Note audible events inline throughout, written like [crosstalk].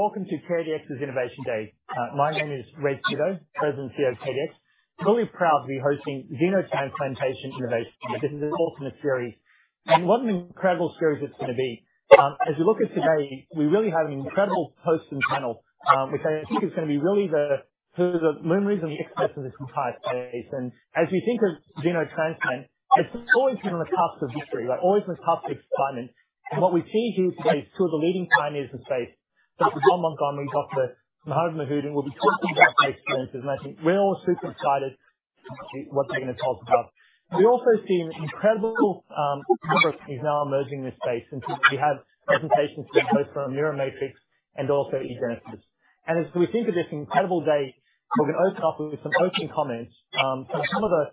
Welcome to CareDx's Innovation Day. My name is Reg Seeto, President and CEO of CareDx. Really proud to be hosting Xenotransplantation Innovation Day. This is the fourth in a series, and what an incredible series it's gonna be. As we look at today, we really have an incredible host and panel, which I think is gonna be really the memories and the expertise of this entire space. As we think of xenotransplant, it's always been on the cusp of history, like always on the cusp of excitement. What we see here today is two of the leading pioneers in the space, Dr. Robert A. Montgomery, Dr. Muhammad M. Mohiuddin will be talking about their experiences, and I think we're all super excited to see what they're gonna tell us about. We also see an incredible number of companies now emerging in this space, and so we have presentations today both from Miromatrix and also eGenesis. As we think of this incredible day, we're gonna open up with some opening comments from some of the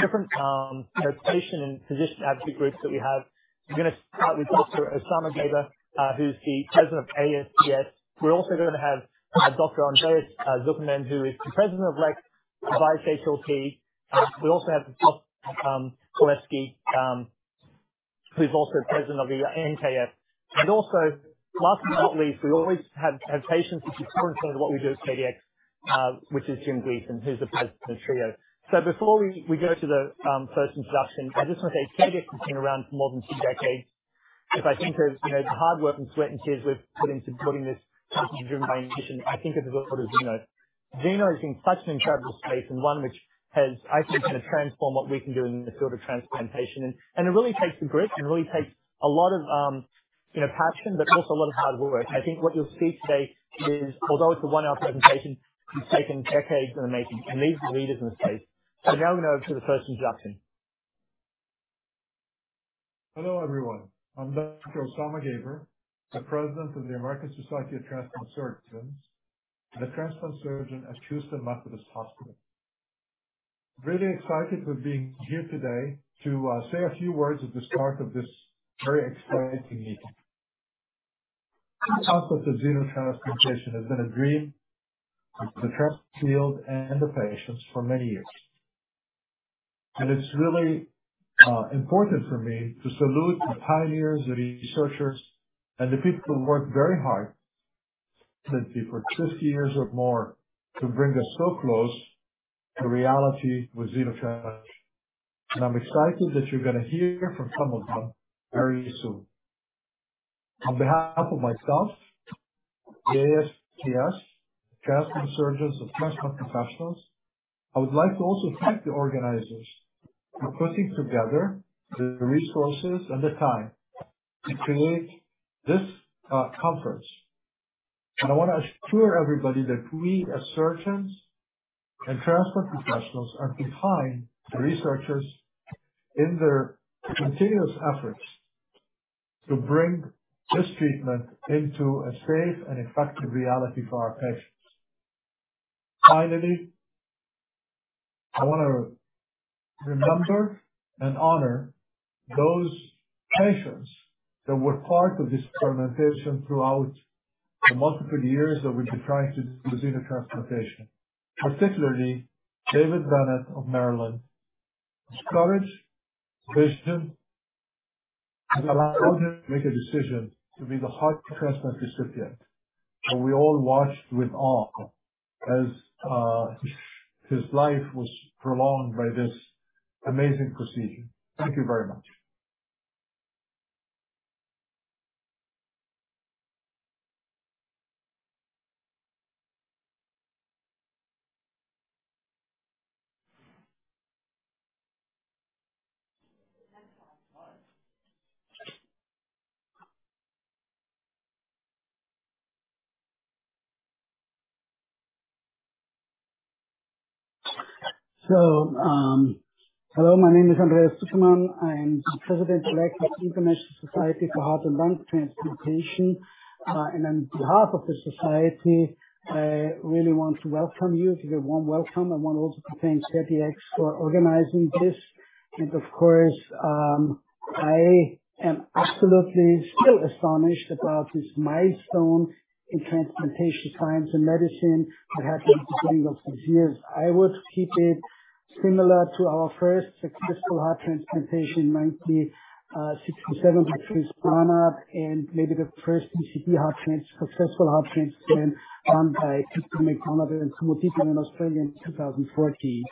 different, you know, patient and physician advocate groups that we have. We're gonna start with Dr. A. Osama Gaber, who's the president of ASTS. We're also gonna have Dr. Andreas Zuckermann, who is the president-elect of ISHLT. We also have Dr. Paul Palevsky, who's also president of the NKF. Also, last but not least, we always have patients, which is so important to what we do at CareDx, which is Jim Gleason, who's the president of TRIO. Before we go to the first introduction, I just wanna say CareDx has been around for more than two decades. As I think of the hard work and sweat and tears we've put into building this company driven by mission, I think of the word xeno. Xeno is in such an incredible space and one which has, I think, gonna transform what we can do in the field of transplantation. It really takes the grit, and it really takes a lot of passion, but also a lot of hard work. I think what you'll see today is, although it's a one-hour presentation, it's taken decades in the making, and these are the leaders in the space. Now I'm gonna go to the first introduction. Hello, everyone. I'm Dr. Osama Gaber, the President of the American Society of Transplant Surgeons and a transplant surgeon at Houston Methodist Hospital. Really excited to be here today to say a few words at the start of this very exciting meeting. The concept of xenotransplantation has been a dream for the transplant field and the patients for many years. It's really important for me to salute the pioneers, the researchers, and the people who worked very hard, possibly for 50 years or more, to bring us so close to reality with xenotransplant. I'm excited that you're gonna hear from some of them very soon. On behalf of myself, the ASTS, transplant surgeons, and transplant professionals, I would like to also thank the organizers for putting together the resources and the time to create this conference. I wanna assure everybody that we, as surgeons and transplant professionals, are behind the researchers in their continuous efforts to bring this treatment into a safe and effective reality for our patients. Finally, I wanna remember and honor those patients that were part of this experimentation throughout the multiple years that we've been trying to do xenotransplantation, particularly David Bennett of Maryland. His courage, his vision has allowed him to make a decision to be the heart transplant recipient. We all watched with awe as, his life was prolonged by this amazing procedure. Thank you very much. Hello, my name is Andreas Zuckermann. I'm President-Elect of International Society for Heart and Lung Transplantation. On behalf of the society, I really want to welcome you to the warm welcome. I want to also thank CareDx for organizing this. Of course, I am absolutely still astonished about this milestone in transplantation science and medicine that happened at the beginning of these years. I would keep it similar to our first successful heart transplantation in 1967 by Christiaan Barnard and maybe the first DCD successful heart transplant done by Bartley Griffith and some other people in Australia in 2014.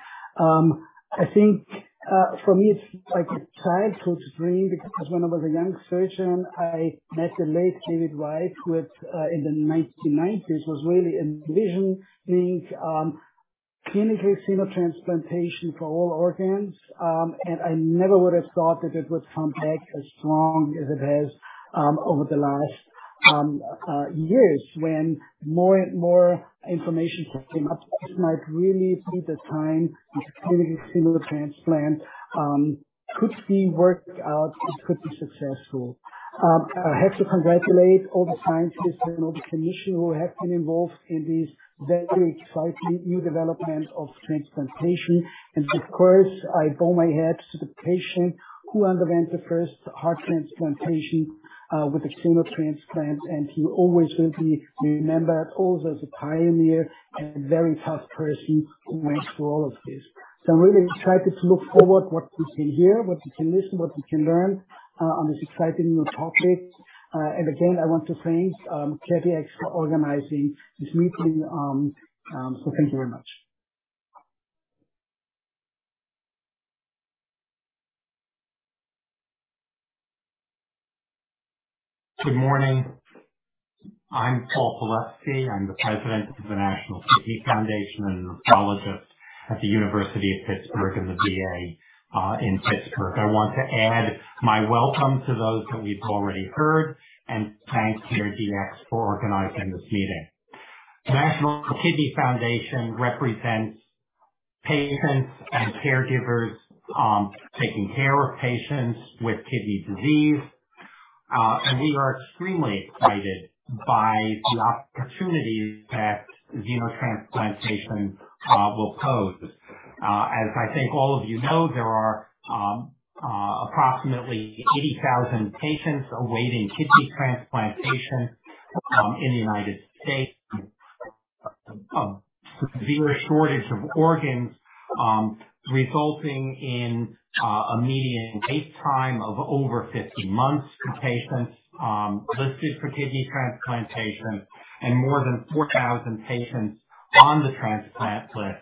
I think, for me, it's like a childhood dream because when I was a young surgeon, I met the late David White, who had, in the 1990s, was really envisioning clinically xenotransplantation for all organs. I never would have thought that it would come back as strong as it has, over the last years when more and more information came up. This might really be the time when clinically xenotransplantation could be worked out and could be successful. I have to congratulate all the scientists and all the clinicians who have been involved in this very exciting new development of transplantation. I bow my head to the patient who underwent the first heart transplantation with a xenotransplant, and he always will be remembered also as a pioneer and a very tough person who went through all of this. I'm really excited to look forward what we can hear, what we can listen, what we can learn on this exciting new topic. I want to thank CareDx for organizing this meeting. Thank you very much. Good morning. I'm Paul Palevsky. I'm the President of the National Kidney Foundation and a nephrologist at the University of Pittsburgh in the VA in Pittsburgh. I want to add my welcome to those that we've already heard and thank CareDx for organizing this meeting. The National Kidney Foundation represents patients and caregivers taking care of patients with kidney disease. We are extremely excited by the opportunities that xenotransplantation will pose. As I think all of you know, there are approximately 80,000 patients awaiting kidney transplantation in the United States. A severe shortage of organs resulting in a median wait time of over 50 months to patients listed for kidney transplantation and more than 4,000 patients on the transplant list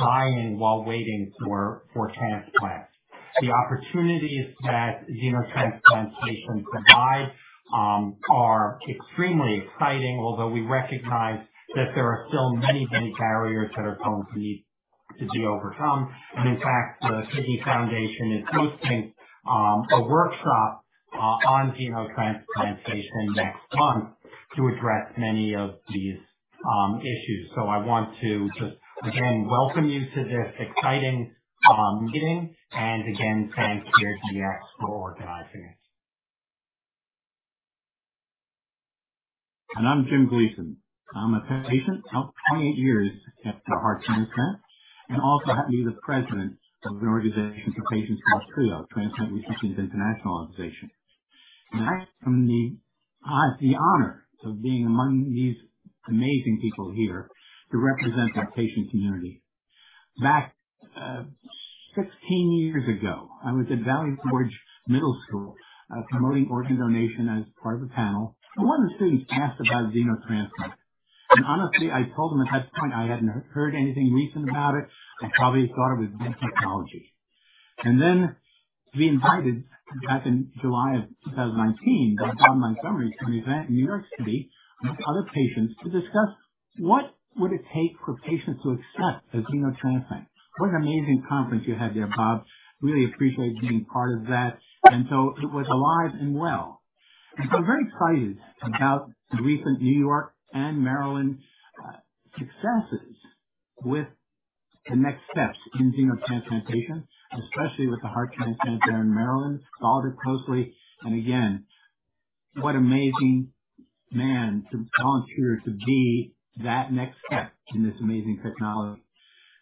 dying while waiting for transplants. The opportunities that xenotransplantation provide are extremely exciting, although we recognize that there are still many barriers that are going to need to be overcome. In fact, the Kidney Foundation is hosting a workshop on xenotransplantation next month to address many of these issues. I want to just again welcome you to this exciting meeting and again thank CareDx for organizing it. I'm Jim Gleason. I'm a patient [who has] had a heart transplant for 28 years, and also happen to be the President of an organization for patients called TRIO, Transplant Recipients International Organization. I have the honor of being among these amazing people here to represent our patient community. Back 16 years ago, I was at Valley Forge Middle School, promoting organ donation as part of a panel. One of the students asked about xenotransplant. Honestly, I told him at that point I hadn't heard anything recent about it and probably thought it was good technology. Then we were invited, back in July of 2019, by Robert Montgomery to an event in New York City with other patients to discuss what it would take for patients to accept a xenotransplant. What an amazing conference you had there, Bob. I really appreciate being part of that. It was alive and well. Very excited about recent New York and Maryland successes with the next steps in xenotransplantation, especially with the heart transplant there in Maryland. I followed it closely. What amazing man to volunteer to be that next step in this amazing technology.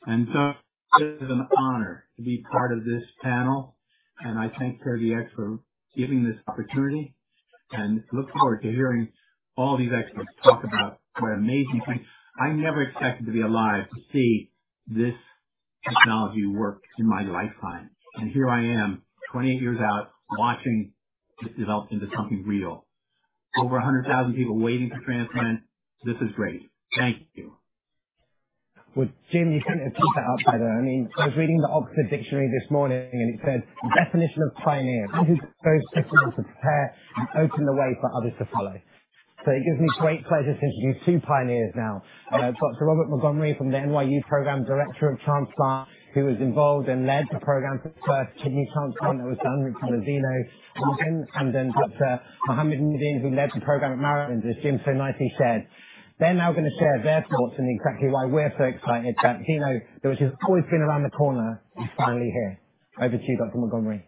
This is an honor to be part of this panel, and I thank CareDx for giving this opportunity and look forward to hearing all these experts talk about what amazing things. I never expected to be alive to see this technology work in my lifetime. Here I am, 28 years out, watching this develop into something real. Over 100,000 people waiting for transplant. This is great. Thank you. Well, Jim, you can't top that out by there. I mean, I was reading the Oxford Dictionary this morning, and it says, "The definition of pioneer: one who's first person to prepare and open the way for others to follow." It gives me great pleasure to introduce two pioneers now. Dr. Robert Montgomery from the NYU program, Director of Transplant, who was involved and led the program for the first kidney transplant that was done with the xeno. Dr. Muhammad Mohiuddin, who led the program at Maryland, as Jim so nicely said. They're now gonna share their thoughts on exactly why we're so excited that xeno, which has always been around the corner, is finally here. Over to you, Dr. Montgomery.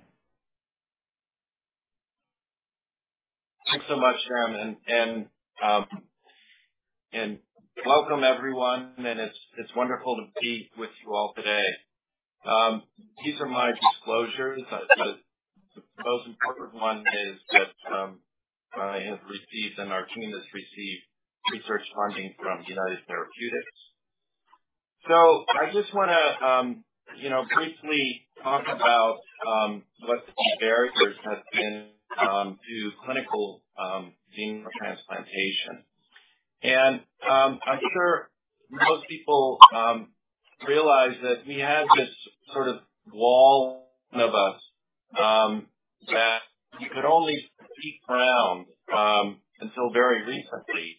Thanks so much, Graham. Welcome everyone, it's wonderful to be with you all today. These are my disclosures. The most important one is that I have received and our team has received research funding from United Therapeutics. I just wanna you know briefly talk about what the barriers have been to clinical xenotransplantation. I'm sure most people realize that we have this sort of wall in front of us that you could only peek around until very recently.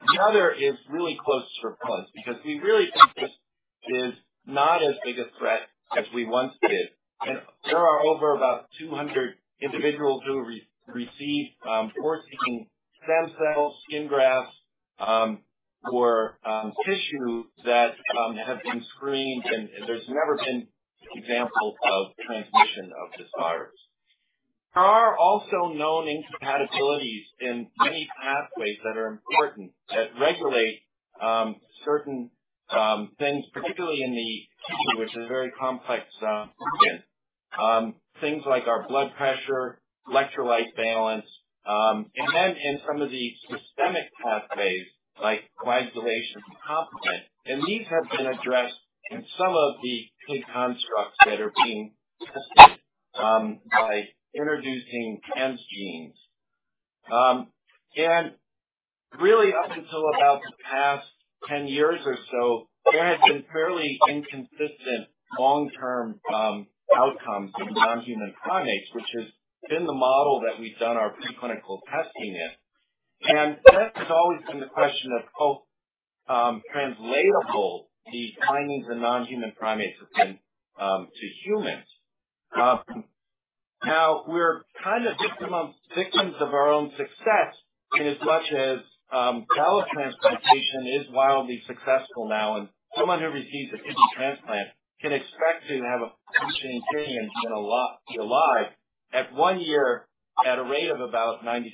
The other is really close to close, because we really think this is not as big a threat as we once did. There are over about 200 individuals who received porcine stem cells, skin grafts, or tissue that have been screened, and there's never been examples of transmission of this virus. There are also known incompatibilities in many pathways that are important that regulate certain things, particularly in the kidney, which is a very complex organ. Things like our blood pressure, electrolyte balance, and then in some of the systemic pathways like coagulation and complement. These have been addressed in some of the pig constructs that are being tested by introducing human genes. Really up until about the past 10 years or so, there has been fairly inconsistent long-term outcomes in non-human primates, which has been the model that we've done our preclinical testing in. That has always been the question of how translatable the findings of non-human primates have been to humans. Now we're kind of victims of our own success in as much as allotransplantation is wildly successful now, and someone who receives a kidney transplant can expect to have a functioning kidney and be alive at one year at a rate of about 97%.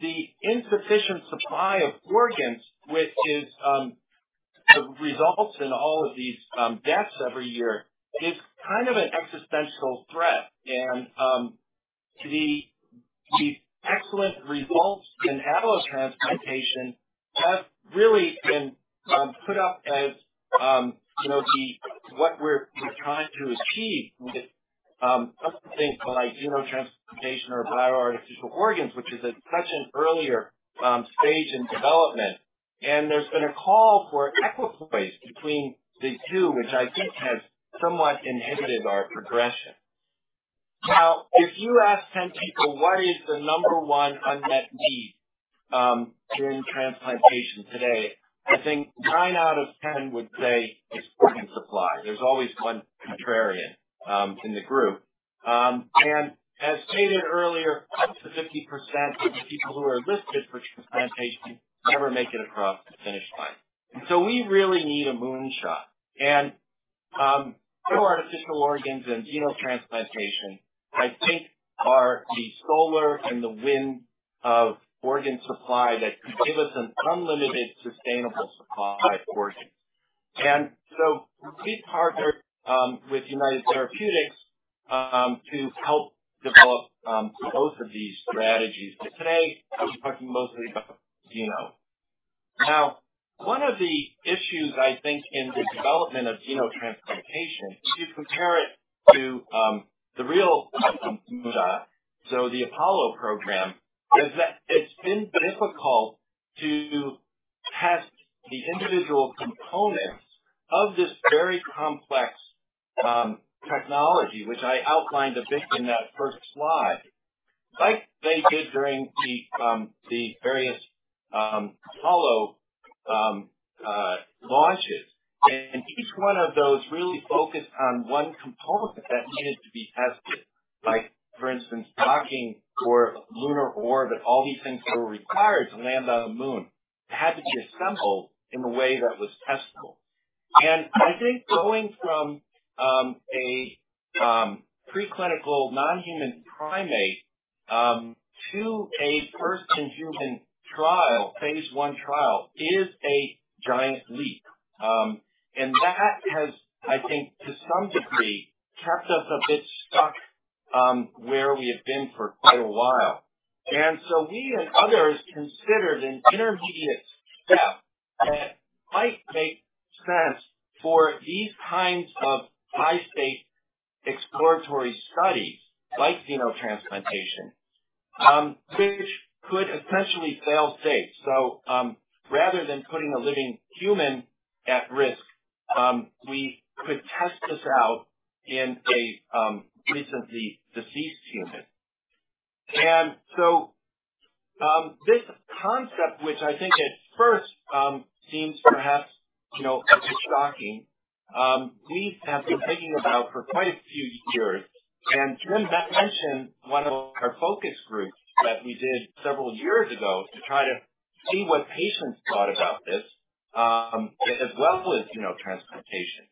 The insufficient supply of organs, which is that results in all of these deaths every year, is kind of an existential threat. The excellent results in allotransplantation have really been put up as, you know, what we're trying to achieve with other things like xenotransplantation or bioartificial organs, which is at such an earlier stage in development. There's been a call for equipoise between the two, which I think has somewhat inhibited our progression. Now, if you ask 10 people, what is the number one unmet need in transplantation today, I think 9 out of 10 would say it's organ supply. There's always one contrarian in the group. As stated earlier, up to 50% of the people who are listed for transplantation never make it across the finish line. We really need a moonshot. Bioartificial organs and xenotransplantation, I think are the solar and the wind of organ supply that could give us an unlimited, sustainable supply of organs. We've partnered with United Therapeutics to help develop both of these strategies. Today I'll be talking mostly about xeno. Now, one of the issues I think in the development of xenotransplantation, if you compare it to the real so the Apollo program, is that it's been difficult to test the individual components of this very complex technology, which I outlined a bit in that first slide, like they did during the various Apollo launches. Each one of those really focused on one component that needed to be tested. Like, for instance, docking or lunar orbit, all these things that were required to land on the moon had to be assembled in a way that was testable. I think going from a preclinical non-human primate to a first-in-human trial, phase I trial is a giant leap. That has, I think to some degree, kept us a bit stuck, where we have been for quite a while. We and others considered an intermediate step that might make sense for these kinds of high-stakes exploratory studies like xenotransplantation, which could essentially fail safe. Rather than putting a living human at risk, we could test this out in a recently deceased human. This concept, which I think at first seems perhaps, you know, a bit shocking, we have been thinking about for quite a few years. Jim did mention one of our focus groups that we did several years ago to try to see what patients thought about this, as well as, you know, transplantation.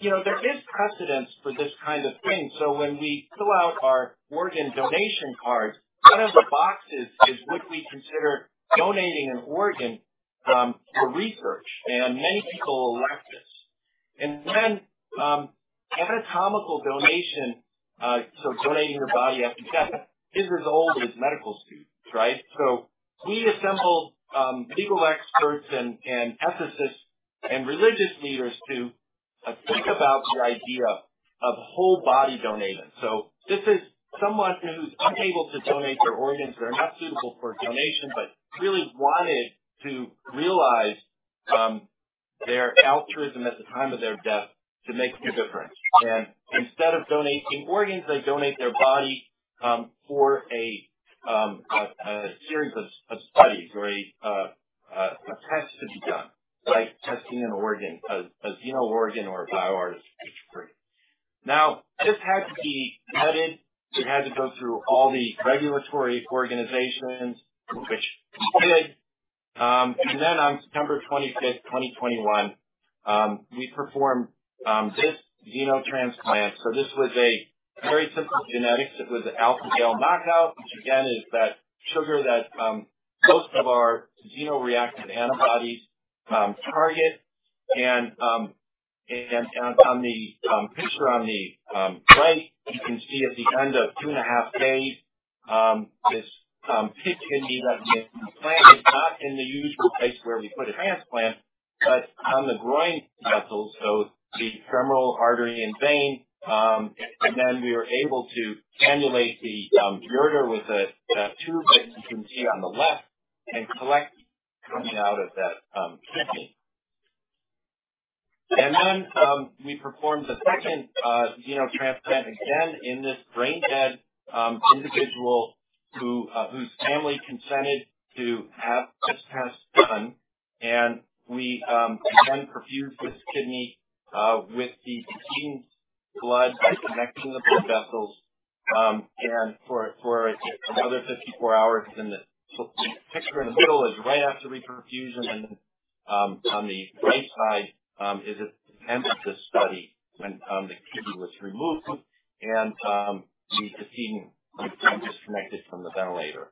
You know, there is precedence for this kind of thing. When we fill out our organ donation cards, one of the boxes is, would we consider donating an organ for research? Many people elect this. Anatomical donation, donating your body after death is as old as medical students. Right? We assembled legal experts and ethicists and religious leaders to think about the idea of whole body donation. This is someone who's unable to donate their organs. They're not suitable for donation, but really wanted to realize their altruism at the time of their death to make a difference. Instead of donating organs, they donate their body for a series of studies or a test to be done, like testing an organ, a xeno organ or bioartificial kidney. Now, this had to be vetted. It had to go through all the regulatory organizations, which we did. On September 25, 2021, we performed this xenotransplant. This was a very simple genetics. It was an Alpha-gal knockout, which again is that sugar that most of our xenoreactive antibodies target. On the picture on the right, you can see at the end of 2.5 days, this pig kidney that we implanted not in the usual place where we put a transplant, but on the groin vessels, so the femoral artery and vein. Then we were able to cannulate the aorta with a tube that you can see on the left and collect coming out of that kidney. Then we performed the second xenotransplant again in this brain-dead individual whose family consented to have this test done. We again perfused this kidney with the deceased's blood by connecting the blood vessels and for another 54 hours. The picture in the middle is right after reperfusion and then, on the right side, is at the end of the study when the kidney was removed and the deceased was disconnected from the ventilator.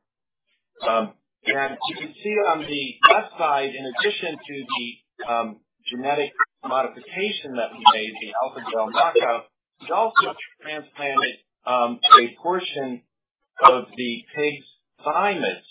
You can see on the left side, in addition to the genetic modification that we made, the Alpha-gal knockout, we also transplanted a portion of the pig's thymus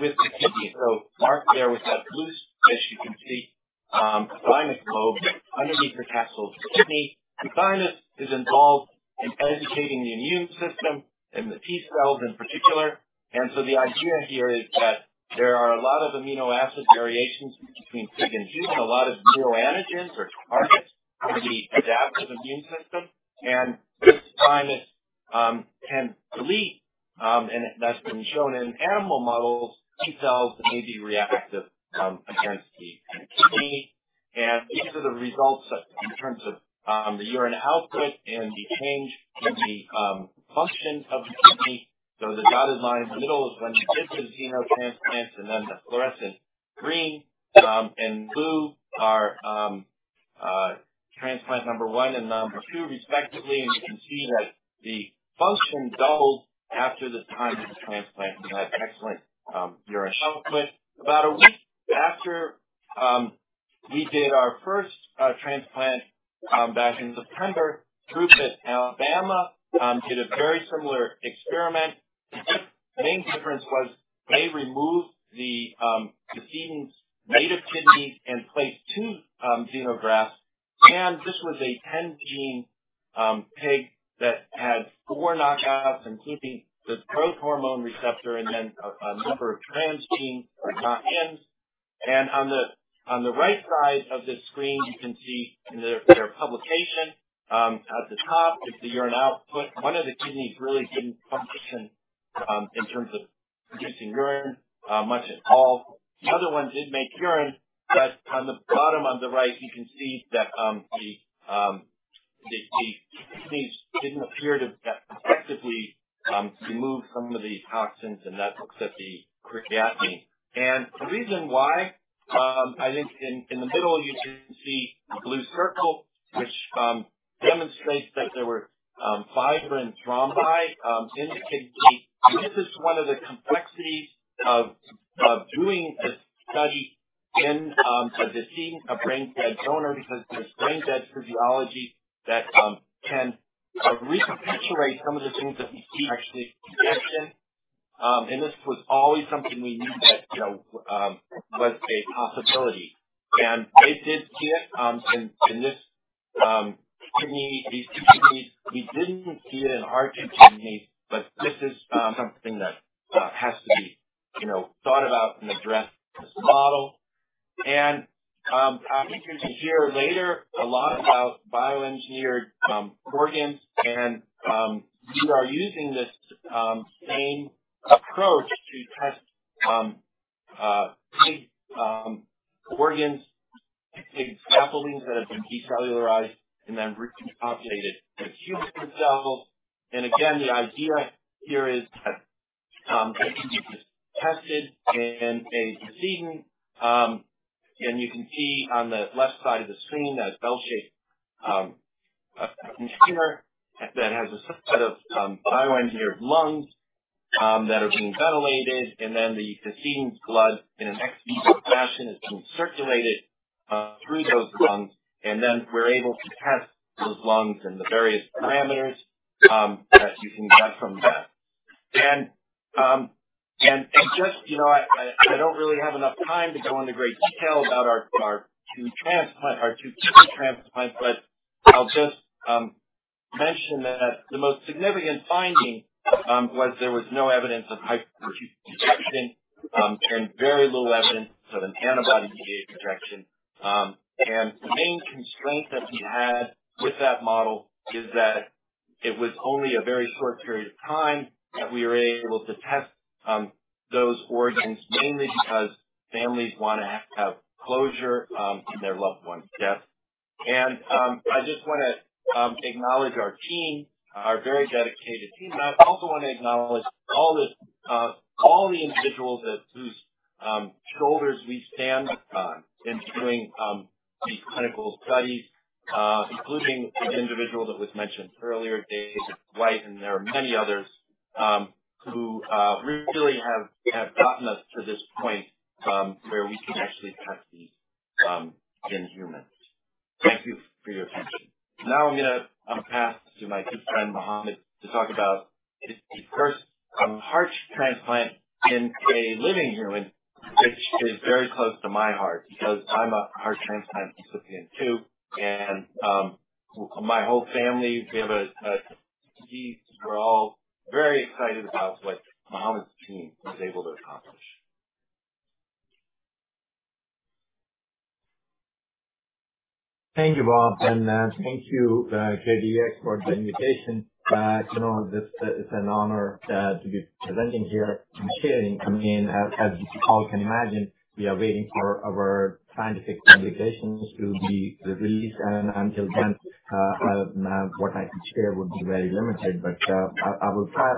with the kidney. Marked there with that blue stitch you can see a thymus lobe underneath the capsule of the kidney. The thymus is involved in educating the immune system and the T cells in particular. The idea here is that there are a lot of amino acid variations between pig and human, a lot of neoantigens or targets for the adaptive immune system. This thymus can delete, and that's been shown in animal models, T cells that may be reactive against the kidney. These are the results of in terms of the urine output and the change in the function of the kidney. The dotted line in the middle is when we did the xenotransplant, and then the fluorescent green and blue are transplant number one and number two respectively. You can see that the function doubled after the time of transplant. We had excellent urine output. About a week after we did our first transplant back in September, a group at Alabama did a very similar experiment. The main difference was they removed the deceased's native kidney and placed two xenografts. This was a 10-gene pig that had four knockouts, including the growth hormone receptor and then a number of transgenes or knock-ins. On the right side of this screen, you can see in their publication at the top is the urine output. One of the kidneys really didn't function in terms of producing urine much at all. The other one did make urine, but on the bottom on the right, you can see that the kidneys didn't appear to effectively remove some of these toxins, and that's the creatinine. The reason why I think in the middle you can see a blue circle which demonstrates that there were fibrin and thrombi in the kidney. This is one of the complexities of doing a study in a deceased brain-dead donor, because this brain-dead physiology that can recapitulate some of the things that we see actually in rejection. This was always something we knew that, you know, was a possibility. I did see it in this kidney, these two kidneys. We didn't see it in our two kidneys, but this is something that has to be, you know, thought about and addressed in this model. I think you'll hear later a lot about bioengineered organs. We are using this same approach to test pig organs, pig scaffoldings that have been decellularized and then repopulated with human cells. Again, the idea here is that it can be tested in a decedent. You can see on the left side of the screen that bell shape container that has a set of bioengineered lungs that are being ventilated. Then the decedent's blood in an ex vivo fashion is being circulated through those lungs. Then we're able to test those lungs and the various parameters that you can get from that. Just, you know, I don't really have enough time to go into great detail about our two transplants, our two pig transplants, but I'll just mention that the most significant finding was there was no evidence of hyperacute rejection and very little evidence of an antibody-mediated rejection. The main constraint that we had with that model is that it was only a very short period of time that we were able to test those organs, mainly because families wanna have closure on their loved ones' death. I just wanna acknowledge our team, our very dedicated team. I also wanna acknowledge all the individuals whose shoulders we stand upon in doing these clinical studies, including the individual that was mentioned earlier, David White, and there are many others who really have gotten us to this point where we can actually test these in humans. Thank you for your attention. Now I'm gonna pass to my good friend Muhammad to talk about his first heart transplant in a living human, which is very close to my heart because I'm a heart transplant recipient too. My whole family, we have a disease. We're all very excited about what Muhammad's team was able to accomplish. Thank you, Bob, and thank you, CareDx, for the invitation. You know, it's an honor to be presenting here and sharing. I mean, as you all can imagine, we are waiting for our scientific publications to be released. Until then, what I can share would be very limited, but I will try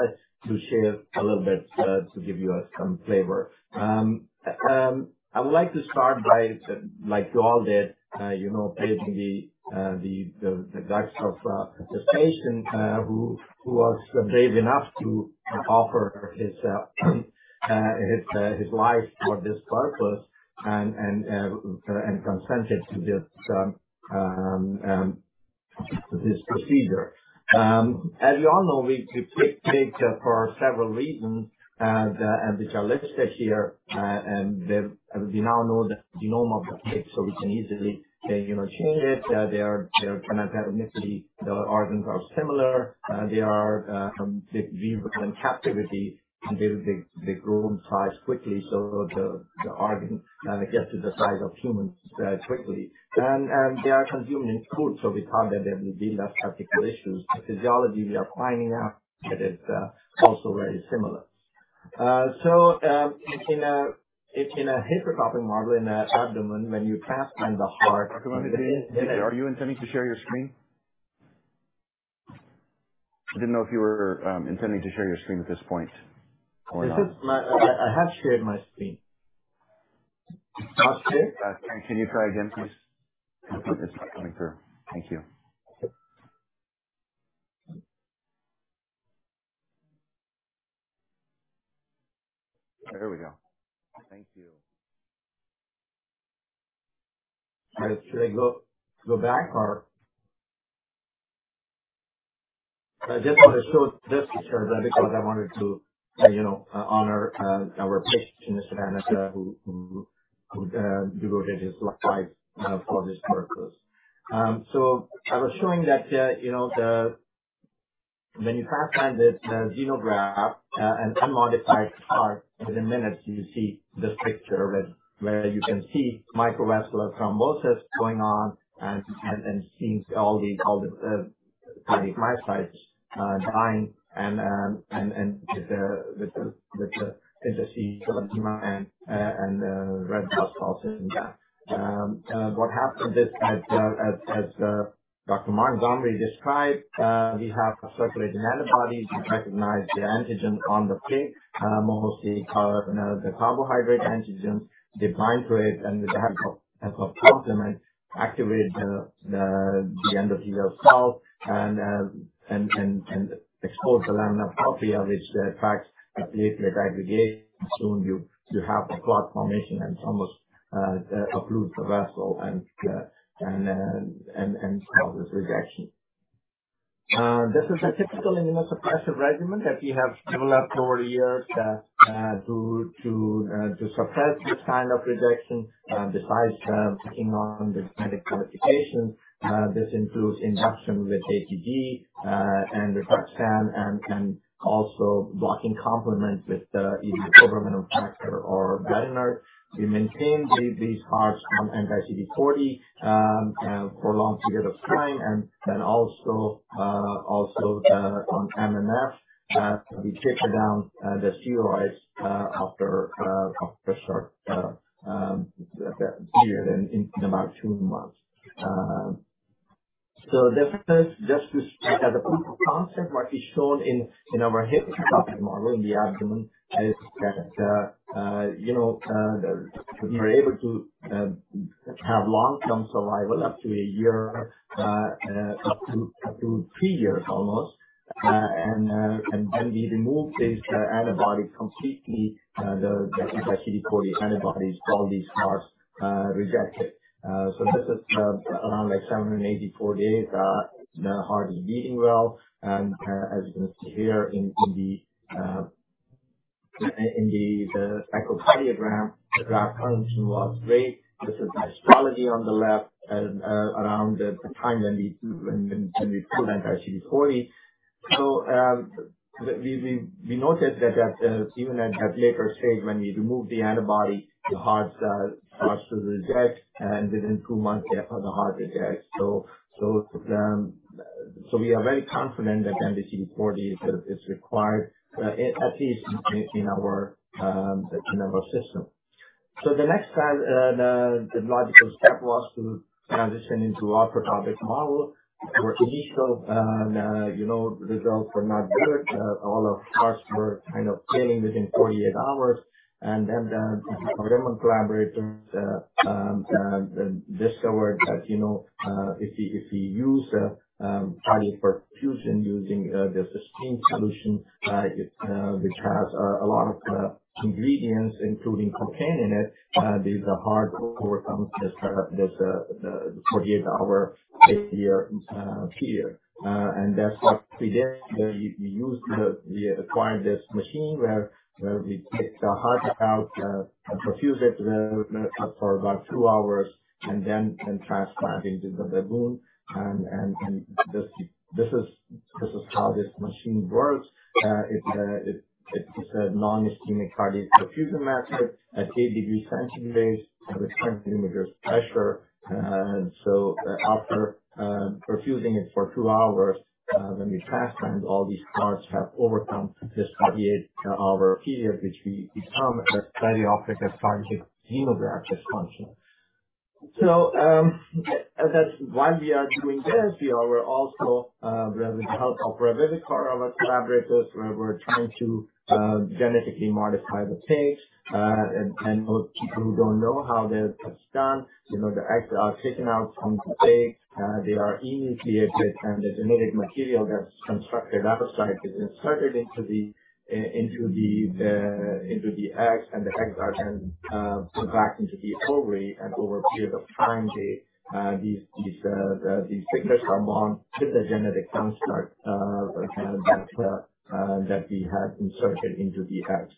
to share a little bit to give you some flavor. I would like to start by, like you all did, you know, paying the gods of this patient who was brave enough to offer his life for this purpose and consented to this procedure. As you all know, we picked pig for several reasons, which are listed here. We now know the genome of the pig, so we can easily, you know, change it. They are anatomically, their organs are similar. They breed when in captivity, and they grow in size quickly, so the organ it gets to the size of humans quickly. They are consuming food, so we thought that they will build up particular issues. The physiology, we are finding out that it's also very similar. In a heterotopic model in the abdomen when you transplant the heart... Dr. Muhammad Mohiuddin, are you intending to share your screen? I didn't know if you were intending to share your screen at this point going on. I have shared my screen. Okay. Can you try again, please? I think there's an issue. Thank you. There we go. Thank you. Should I go back or? I just wanna show this picture because I wanted to, you know, honor our patient, Mr. Bennett, who devoted his life for this purpose. I was showing that, you know, when you transplant this xenograft, an unmodified heart, within minutes you see this picture where you can see microvascular thrombosis going on and seeing all the cardiomyocytes bind and with the interstitial edema and the red blood cells in that. What happens is that, as Dr. Montgomery described, we have circulating antibodies, we recognize the antigen on the pig, mostly the carbohydrate antigens, they bind to it. With the help of complement activate the endothelial cells and expose the lamina propria which attracts a platelet aggregation. Soon you have the clot formation and almost occludes the vessel and causes rejection. This is a typical immunosuppressive regimen that we have developed over years to suppress this kind of rejection. Besides taking on the genetic modifications, this includes induction with ATG and tacrolimus and also blocking complement with either complement or [myner]. We maintain these hearts on anti-CD40 for long period of time and then also on MMF. We taper down the steroids after a short period in about two months. This is just to check as a proof of concept what is shown in our heterotopic model, and the argument is that, you know, we were able to have long-term survival up to one year, up to three years almost. When we remove these antibodies completely, the anti-CD40 antibodies, all these hearts rejected. This is around like 784 days, the heart is beating well. As you can see here in the echocardiogram, the graft function was great. This is the histology on the left and around the time when we pulled anti-CD40. We noticed that even at that later stage when we remove the antibody, the hearts starts to reject and within two months the heart rejects. We are very confident that anti-CD40 is required at least in our system. The logical step was to transition into orthotopic model. Our initial, you know, results were not good. All our hearts were kind of failing within 48 hours. Our German collaborators discovered that, you know, if you use cardiac perfusion using the STEEN solution, which has a lot of ingredients including cocaine in it, the heart overcomes this 48-hour period here. That's what we did. We acquired this machine where we take the heart out, perfuse it for about two hours and then transplant it into the baboon. This is how this machine works. It's a non-ischemic cardiac perfusion method at 8 degrees Celsius at a 20 mm pressure. After perfusing it for two hours, when we transplant, all these hearts have overcome this 48-hour period which becomes a heterotopic cardiac xenograft that's functional. As while we are doing this, we're also with the help of Revivicor, our collaborators, where we're trying to genetically modify the pigs. For people who don't know how that's done, you know, the eggs are taken out from the pig, they are enucleated and the genetic material that's constructed a priori is inserted into the eggs. The eggs are then put back into the ovary and over a period of time these pigs are born with the genetic construct that we had inserted into the eggs.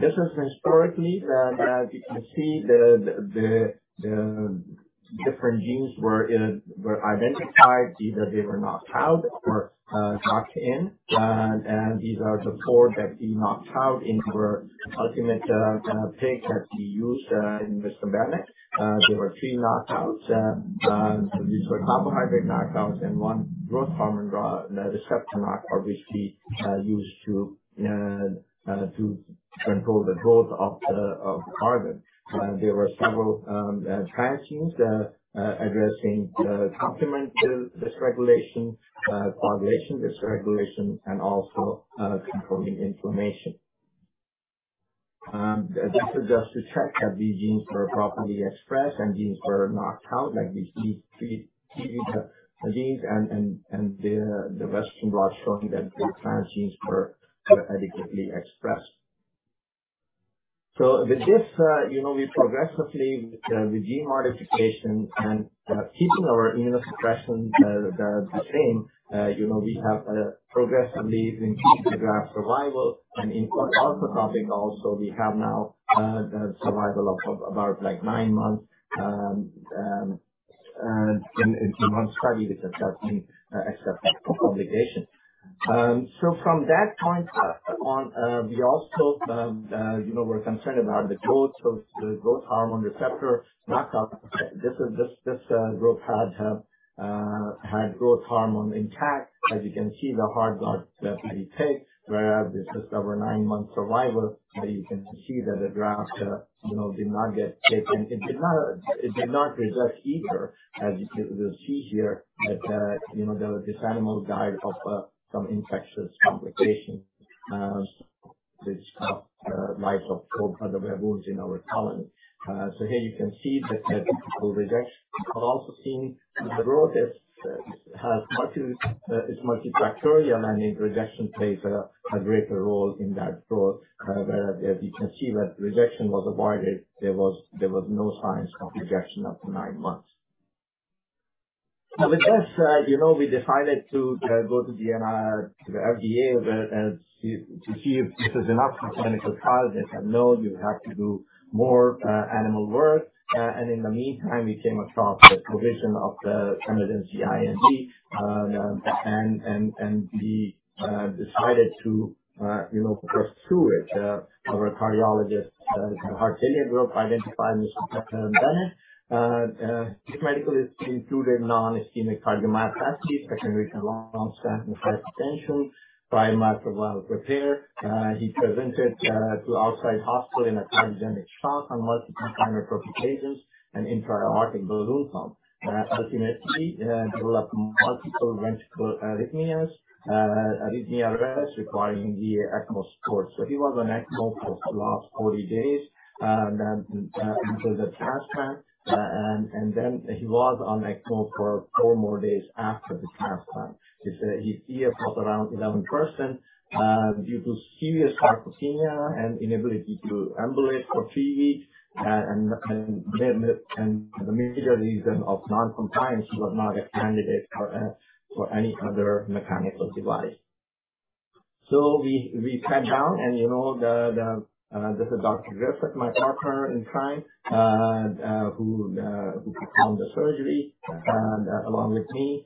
This is historical. You can see the different genes were identified, either they were knocked out or knocked in. These are the four that we knocked out in our ultimate pig that we used in this pandemic. There were three knockouts. These were carbohydrate knockouts and one growth hormone receptor knockout which we used to control the growth of the organ. There were several transgenes addressing complement dysregulation, coagulation dysregulation, and also controlling inflammation. This is just to check that these genes were properly expressed and genes were knocked out like these three genes and the western blot showing that the transgenes were adequately expressed. With this, you know, we progressively with gene modification and keeping our immunosuppression the same, you know, we have progressively increased the graft survival. In our orthotopic also we have now the survival of about like nine months. In one study with acceptance for publication. From that point on, we also, you know, were concerned about the growth of the growth hormone receptor knockout. This growth had growth hormone intact. As you can see, the hearts are pretty thick, whereas this is our nine-month survival. You can see that the graft, you know, did not get thick and it did not reject either. As you'll see here that, you know, this animal died of some infectious complication. This survival of four other baboons in our colony. Here you can see that no rejection, but also seeing the growth is multifactorial, and rejection plays a greater role in that growth. Where you can see that rejection was avoided. There was no signs of rejection after nine months. Now with this, you know, we decided to go to the NIH, to the FDA, to see if this is enough for clinical trial. They said, "No, you have to do more animal work." In the meantime, we came across the provision of the Emergency IND, and we decided to, you know, pursue it. Our cardiologist heart failure group identified Mr. Bennett. His medical history included non-ischemic cardiomyopathy, secondary to long-standing hypertension, bioprosthetic valve repair. He presented to outside hospital in a cardiogenic shock on multiple counterpulsations and intra-aortic balloon pump. Ultimately, developed multiple ventricular arrhythmias, arrhythmia risk requiring the ECMO support. He was on ECMO for the last 40 days, then, until the transplant. Then he was on ECMO for four more days after the transplant. His EF was around 11%, due to serious sarcopenia and inability to ambulate or feed, and the major reason of non-compliance, he was not a candidate for any other mechanical device. We sat down and, you know, this is Dr. Griffith, my partner in crime, who performed the surgery along with me.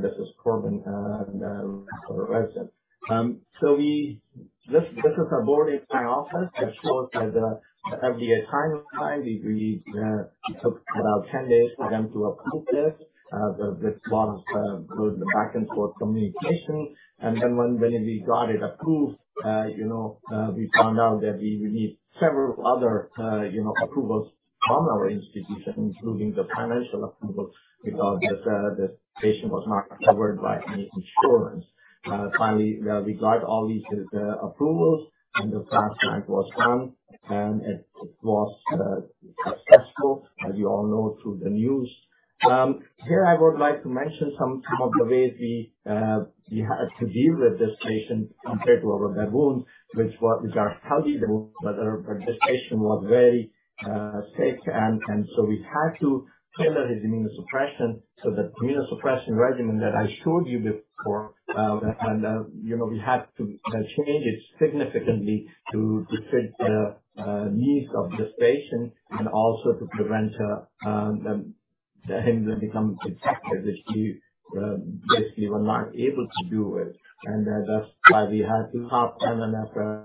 This is Corbin, the resident. This is a board exam office that shows the FDA timeline. It took about 10 days for them to approve this. This was good back and forth communication. When we got it approved, you know, we found out that we would need several other, you know, approvals from our institution, including the financial approvals, because the patient was not covered by any insurance. Finally, we got all these approvals, and the transplant was done, and it was successful, as you all know, through the news. Here I would like to mention some of the ways we had to deal with this patient compared to our baboons, which are healthy, but this patient was very sick. We had to tailor his immunosuppression. The immunosuppression regimen that I showed you before, you know, we had to change it significantly to fit the needs of this patient and also to prevent him becoming infected, which we basically were not able to do it. That's why we had to stop MMF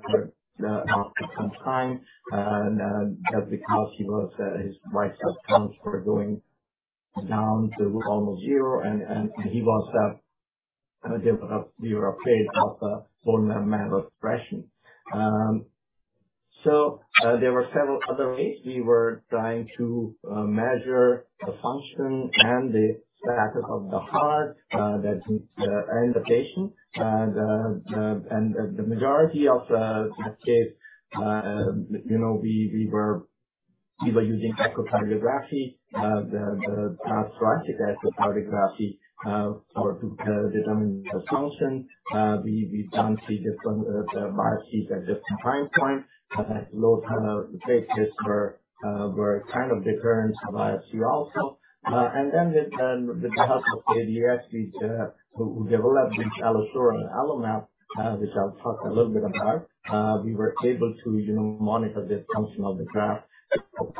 after some time, and that's because his white cell counts were going down to almost zero, and we were afraid of full-blown infection. There were several other ways we were trying to measure the function and the status of the heart and the patient. The majority of tests, you know, we were using echocardiography, the stress echocardiography, to determine the function. We've done several different biopsies at different time points. Those cases were kind of different. A few also. Then with the help of CareDx, we developed this AlloSure and AlloMap, which I'll talk a little bit about. We were able to, you know, monitor the function of the graft.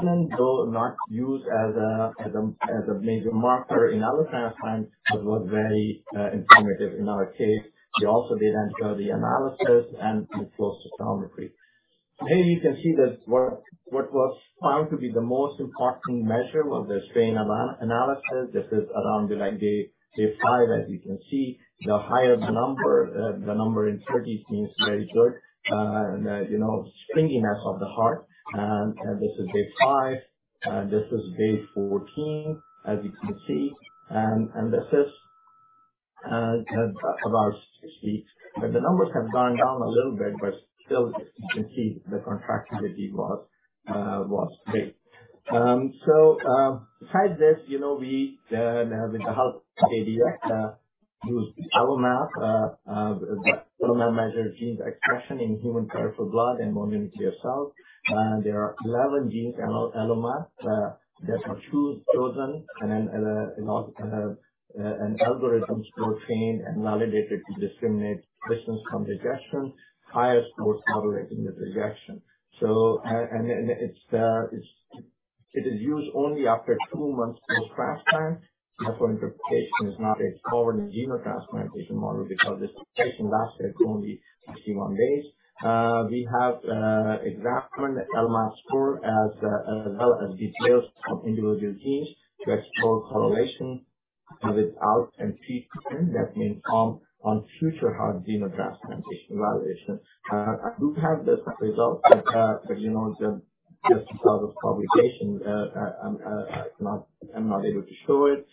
Even though not used as a major marker in other transplants, it was very informative in our case. We also did endothelial analysis and flow cytometry. Here you can see that what was found to be the most important measure was the strain analysis. This is around like day 5. As you can see, the higher the number, the number in 30 seems very good. You know, springiness of the heart. And this is day 14, as you can see. This is at about 60. But the numbers have gone down a little bit, but still you can see the contractility was great. Besides this, you know, we, with the help of CareDx, used AlloMap. AlloMap measures gene expression in human peripheral blood and mononuclear cells. There are 11 genes in AlloMap. There are two chosen and an algorithm score chain and validated to discriminate patients from rejection. Higher scores correlate with rejection. It is used only after two months post-transplant. Therefore interpretation is not as common in xenotransplantation model because the patient lasted only 61 days. We have examined the LMA score as well as details from individual genes to explore correlation with outcome and treatment that may inform on future heart xenotransplantation validation. We have this result, but you know, just because of publication, I'm not able to show it.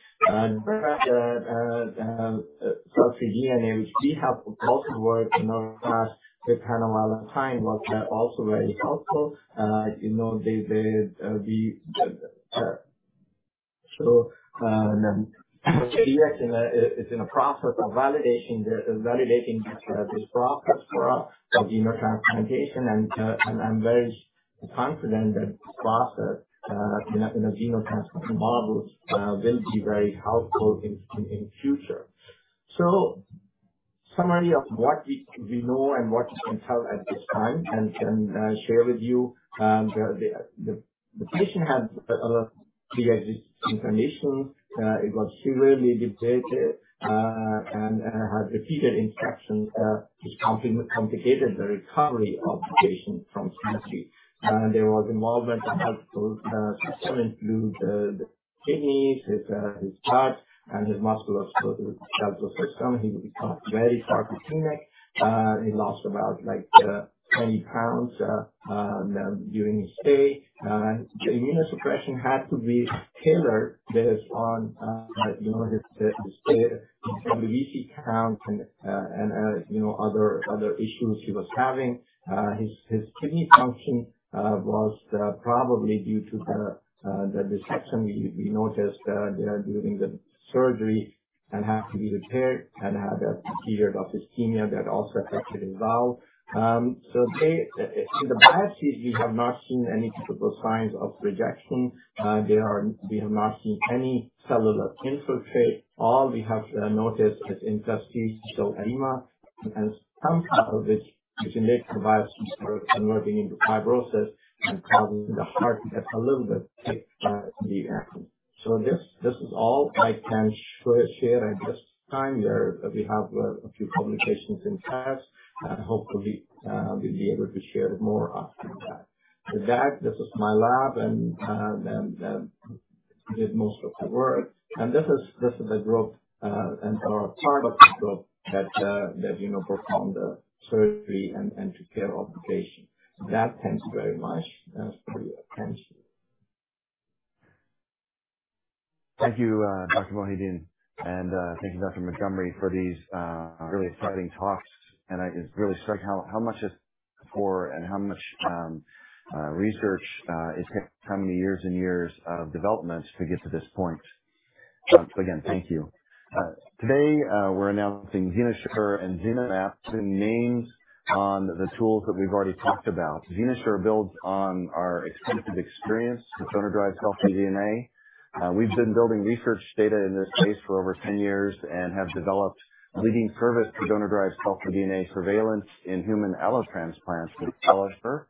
Cell-free DNA, which we have proposed work in order to collaborate with Hannah Valantine, was also very helpful. You know, yes, it's in a process of validation. They're validating this process for use in xenotransplantation. I'm very confident that this process in xenotransplant models will be very helpful in future. Summary of what we know and what we can tell at this time and share with you, the patient had previous inflammation. It was severely depleted and had repeated infections, which complicated the recovery of the patient from surgery. There was involvement of multiple systems, including the kidneys, his heart and his musculoskeletal system. He became very cachectic. He lost about like 20 lbs during his stay. The immunosuppression had to be tailored based on, you know, his WBC count and, you know, other issues he was having. His kidney function was probably due to the dissection we noticed there during the surgery and had to be repaired and had a period of ischemia that also affected his valve. To the biopsy, we have not seen any typical signs of rejection. We have not seen any cellular infiltrate. All we have noticed is interstitial edema and some type of which may provide some sort of converting into fibrosis and causing the heart to get a little bit thick, via. This is all I can share at this time. We have a few publications in the past, and hopefully, we'll be able to share more after that. With that, this is my lab and them did most of the work. This is the group and or a part of the group that you know performed the surgery and took care of the patient. With that, thanks very much for your attention. Thank you, Dr. Mohiuddin, and thank you, Dr. Montgomery, for these really exciting talks. I was really struck how much effort and how much research is taking so many years and years of development to get to this point. Again, thank you. Today, we're announcing XenoSure and XenoMap, two names for the tools that we've already talked about. XenoSure builds on our extensive experience with donor-derived cell-free DNA. We've been building research data in this space for over 10 years and have developed leading service for donor-derived cell-free DNA surveillance in human allotransplants with AlloSure.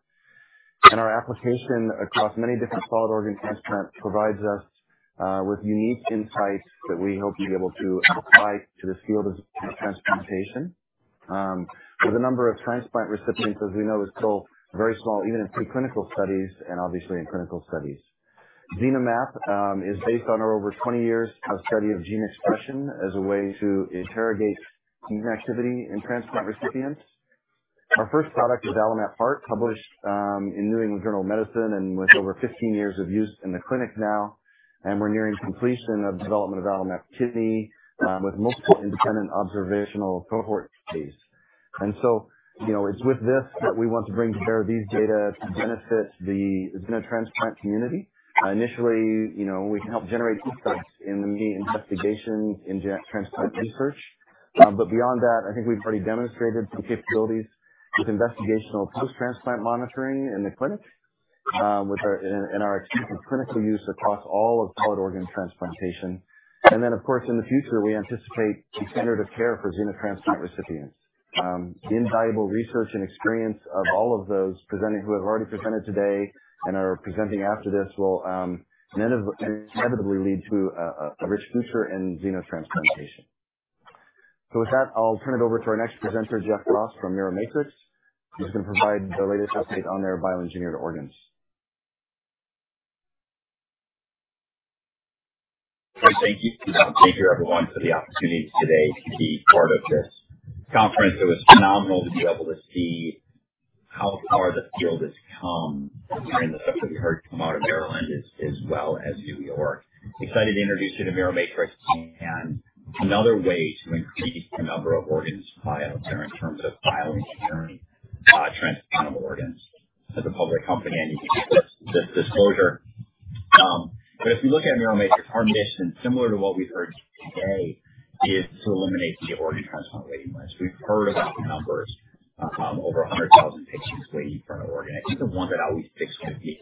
Our application across many different solid organ transplants provides us with unique insights that we hope to be able to apply to this field of transplantation. With the number of transplant recipients, as we know, is still very small, even in pre-clinical studies and obviously in clinical studies. XenoMap is based on our over 20 years of study of gene expression as a way to interrogate gene activity in transplant recipients. Our first product is AlloMap Heart, published in The New England Journal of Medicine and with over 15 years of use in the clinic now. We're nearing completion of development of AlloMap Kidney with multiple independent observational cohort studies. You know, it's with this that we want to bring to bear these data to benefit the xenotransplantation community. Initially, you know, we can help generate insights in the investigation in transplant research. Beyond that, I think we've already demonstrated some capabilities with investigational post-transplant monitoring in the clinic, with our extensive clinical use across all of solid organ transplantation. Then, of course, in the future, we anticipate the standard of care for xenotransplant recipients. Invaluable research and experience of all of those presenting who have already presented today and are presenting after this will inevitably lead to a rich future in xenotransplantation. With that, I'll turn it over to our next presenter, Jeff Ross from Miromatrix, who's going to provide the latest update on their bioengineered organs. Thank you, everyone, for the opportunity today to be part of this conference. It was phenomenal to be able to see how far the field has come in the stuff that we heard from out of Maryland as well as New York. Excited to introduce you to Miromatrix and another way to increase the number of organ supply out there in terms of bioengineering transplantable organs. As a public company, I need to give this disclosure. If you look at Miromatrix, our mission, similar to what we've heard today, is to eliminate the organ transplant waiting list. We've heard about the numbers over 100,000 patients waiting for an organ. I think the one that always sticks with me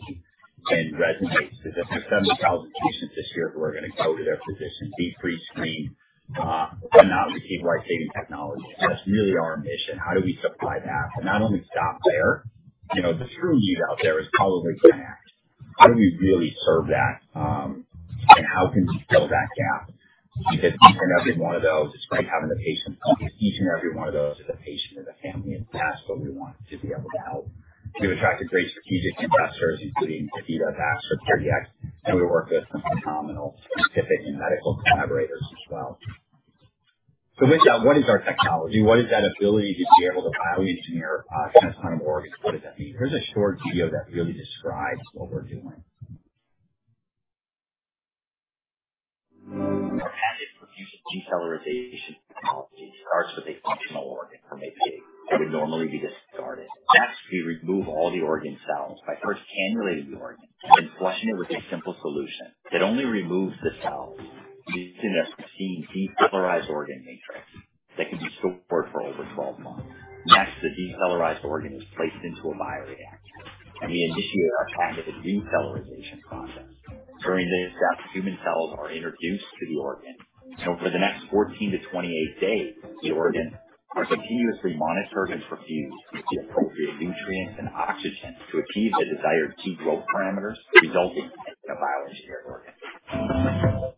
and resonates is that there are 7,000 patients this year who are gonna go to their physician, be pre-screened, but not receive life-saving technology. That's really our mission. How do we supply that? We'll not only stop there. You know, the true need out there is probably 10x. How do we really serve that, and how can we fill that gap? Because each and every one of those, despite having the patient, each and every one of those is a patient and a family impact that we want to be able to help. We've attracted great strategic investors, including DaVita, Baxter, 30x, and we work with some phenomenal scientific and medical collaborators as well. With that, what is our technology? What is that ability to be able to bioengineer a transplant organ? What does that mean? Here's a short video that really describes what we're doing. Our patented perfusion decellularization technology starts with a functional organ from a pig that would normally be discarded. Next, we remove all the organ cells by first cannulating the organ, then flushing it with a simple solution that only removes the cells, leaving us with a pristine decellularized organ matrix that can be stored for over 12 months. Next, the decellularized organ is placed into a bioreactor, and we initiate our patented recellularization process. During this, human cells are introduced to the organ, and over the next 14-28 days, the organ are continuously monitored and perfused with the appropriate nutrients and oxygen to achieve the desired key growth parameters, resulting in a bioengineered organ. I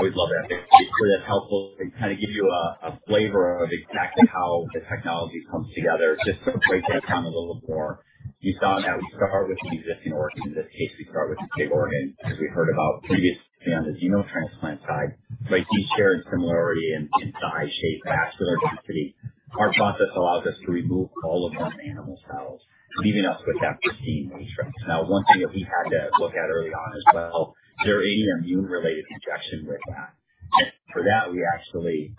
always love that. I think it's really helpful to kind of give you a flavor of exactly how the technology comes together. Just to break that down a little more, you saw that we start with an existing organ. In this case, we start with the pig organ, as we heard about previously on the xenotransplant side. It does share in similarity in size, shape, vascular density. Our process allows us to remove all of those animal cells, leaving us with that pristine matrix. Now, one thing that we had to look at early on as well, is there any immune-related rejection with that? For that, we actually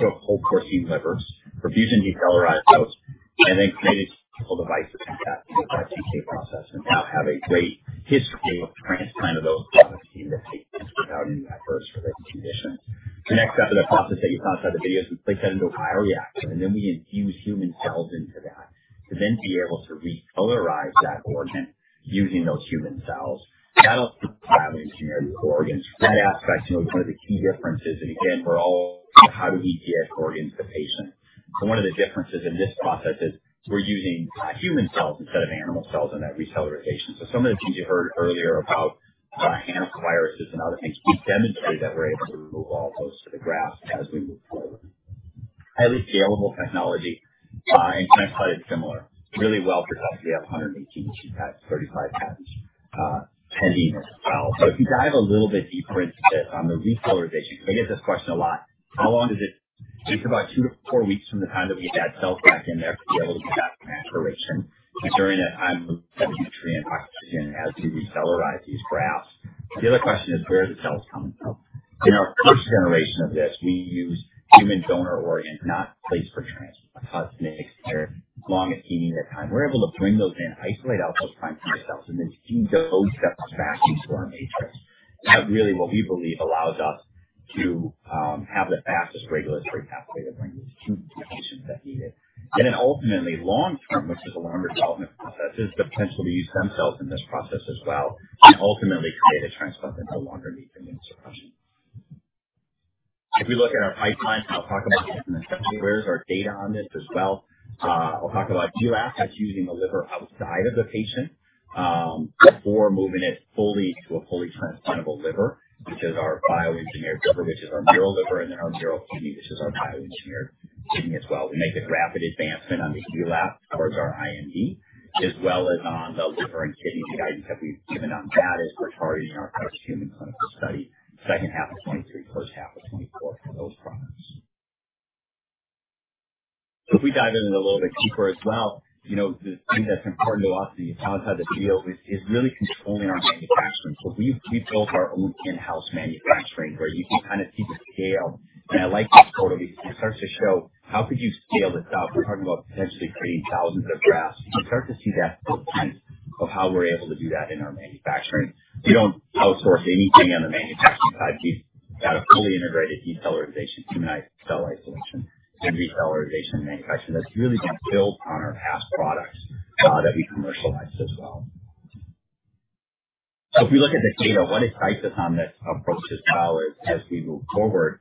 took whole porcine livers, perfused and decellularized those, and then created several devices with that same process, and now have a great history of transplant of those devices in the pig without any adverse reactions conditions. The next step of the process that you saw inside the video is we place that into a bioreactor, and then we infuse human cells into that to then be able to recellularize that organ using those human cells. That allows us to bioengineer the organs. That aspect is really one of the key differences. Again, we're all, how do we get organs to patients? One of the differences in this process is we're using human cells instead of animal cells in that recellularization. Some of the things you heard earlier about animal viruses and other things, we've demonstrated that we're able to remove all those from the graft as we move forward. Highly scalable technology. I kind of put it similar, really well developed. We have 118 issued patents, 35 patents pending as well. If you dive a little bit deeper into this on the recellularization, we get this question a lot. How long does it take? It takes about two to four weeks from the time that we add cells back in there to be able to see that maturation. During that time, we're delivering nutrient and oxygen as we recellularize these grafts. The other question is where are the cells coming from? In our first generation of this, we use human donor organs, not placed for transplant, because they expire long after acute care time. We're able to bring those in, isolate out those prime T cells, and then infuse those cells back into our matrix. That really, what we believe, allows us to have the fastest regulatory pathway to bring these to the patients that need it. Ultimately long-term, which is a longer development process, is the potential to use stem cells in this process as well, and ultimately create a transplant that no longer needs immune suppression. If we look at our pipeline, and I'll talk about this in a second, where is our data on this as well? I'll talk about two aspects using the liver outside of the patient, before moving it fully to a fully transplantable liver, which is our bioengineered liver, which is our miroliver, and then our mirokidney, which is our bioengineered kidney as well. We make a rapid advancement on the [ELAP] towards our IND, as well as on the liver and kidney guidance that we've given on that as we're targeting our first human clinical study, second half of 2023, first half of 2024 for those products. If we dive in a little bit deeper as well, you know, the thing that's important to us, and you saw inside the video, is really controlling our manufacturing. We built our own in-house manufacturing where you can kind of see the scale. I like this photo because it starts to show how could you scale this up? We're talking about potentially creating thousands of grafts. You can start to see that footprint of how we're able to do that in our manufacturing. We don't outsource anything on the manufacturing side. We've got a fully integrated decellularization, humanized cell isolation, and recellularization and manufacturing that's really been built on our past products that we commercialized as well. If we look at the data, what excites us on this approach as well as we move forward,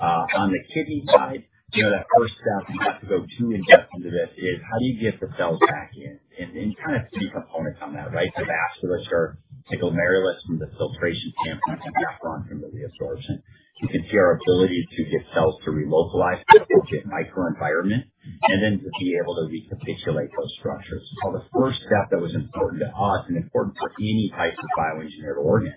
on the kidney side, you know that first step, you have to go too in-depth into this, is how do you get the cells back in? You kind of see components on that, right? The vascular structure, glomerulus from the filtration standpoint, and nephron from the reabsorption. You can see our ability to get cells to relocalize the appropriate microenvironment and then to be able to recapitulate those structures. The first step that was important to us and important for any type of bioengineered organ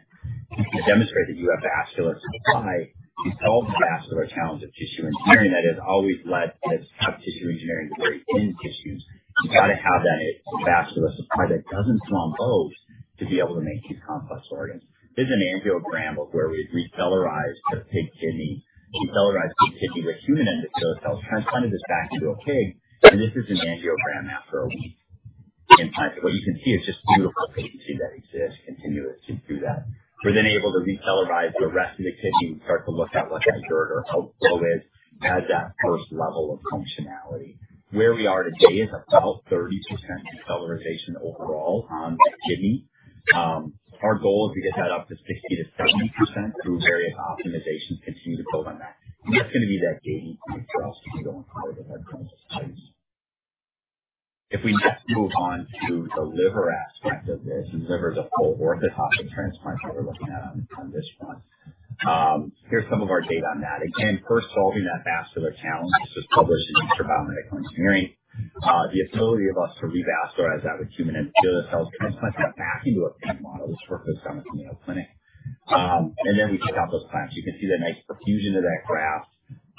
is to demonstrate that you have vascular supply to solve the vascular challenge of tissue engineering that has always led this type of tissue engineering to very thin tissues. You got to have that vascular supply that doesn't thrombose to be able to make these complex organs. This is an angiogram of where we've recellularized a pig kidney, decellularized pig kidney with human endothelial cells, transplanted this back into a pig, and this is an angiogram after a week. What you can see is just beautiful patency that exists continuous through that. We're then able to recellularize the rest of the kidney and start to look at what that glomerular outflow is as that first level of functionality. Where we are today is about 30% decellularization overall on the kidney. Our goal is to get that up to 60%-70% through various optimizations to continue to build on that. That's going to be that gating point for us to be going forward with our clinical studies. If we just move on to the liver aspect of this, the liver is a full orthotopic transplant that we're looking at on this front. Here's some of our data on that. Again, first of all, in that vascular challenge, this was published in Nature Biomedical Engineering. The ability of us to revascularize that with human endothelial cells, transplant that back into a pig model. This work was done at Mayo Clinic. And then we take out those clamps. You can see the nice perfusion of that graft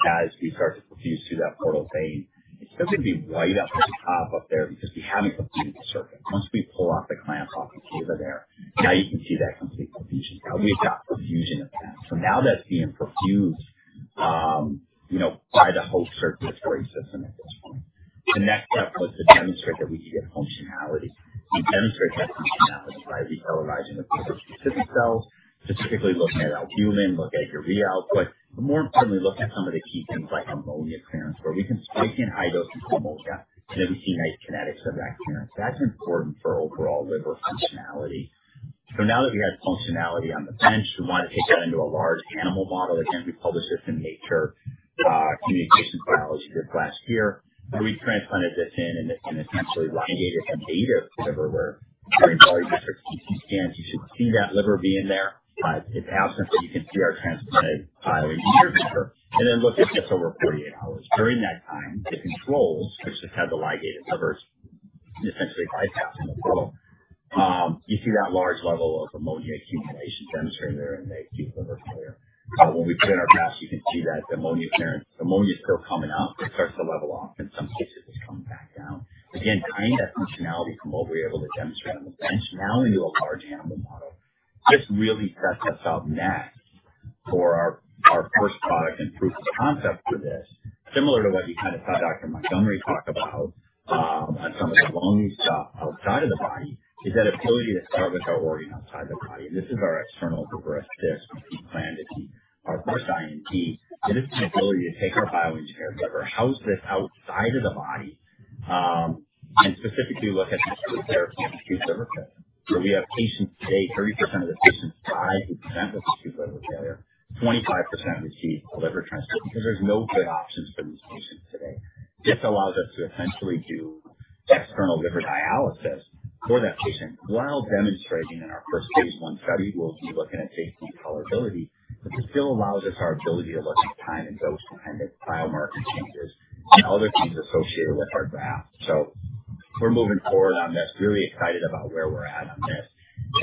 as we start to perfuse through that portal vein. It doesn't bleed right up at the top up there because we haven't completed the circuit. Once we pull off the clamps off the cavern there, now you can see that complete perfusion. Now we've got perfusion of that. Now that's being perfused, you know, by the whole circulatory system at this point. The next step was to demonstrate that we see a functionality. We demonstrate that functionality by decellularizing a number of specific cells, specifically looking at albumin, look at urea output, but more importantly, look at some of the key things like ammonia clearance, where we can hydroce the mole down, and then we see nice kinetics of that clearance. That's important for overall liver functionality. Now that we have functionality on the bench, we want to take that into a large animal model. Again, we published this in Nature Communications Biology last year, where we transplanted this in essentially a ligated 80% liver where during volume assessment, CT scans, you should see that liver being there. It's absent, but you can see our transplanted bioengineered liver. Look at just over 48 hours. During that time, the controls, which just had the ligated livers, essentially bypassing the portal, you see that large level of ammonia accumulation demonstrated there in the acute liver failure. When we put in our grafts, you can see that the ammonia clearance, ammonia is still coming out, but it starts to level off. In some cases, it's coming back down. Again, carrying that functionality from what we were able to demonstrate on the bench now into a large animal model just really sets us up next for our first product and proof of concept for this. Similar to what you kind of saw Dr. Robert Montgomery talk about, on some of the lung stuff outside of the body, is that ability to harvest our organ outside the body. This is our external liver assist. We plan to keep our first IMT. It is the ability to take our bioengineered liver, house this outside of the body, and specifically look at the therapy of acute liver failure. We have patients today, 30% of the patients die, who present with acute liver failure. 25% receive a liver transplant because there's no good options for these patients today. This allows us to essentially do external liver dialysis for that patient while demonstrating in our first phase I study, we'll be looking at safety and tolerability, but this still allows us our ability to look at time and dose-dependent biomarker changes and other things associated with our graft. We're moving forward on this, really excited about where we're at on this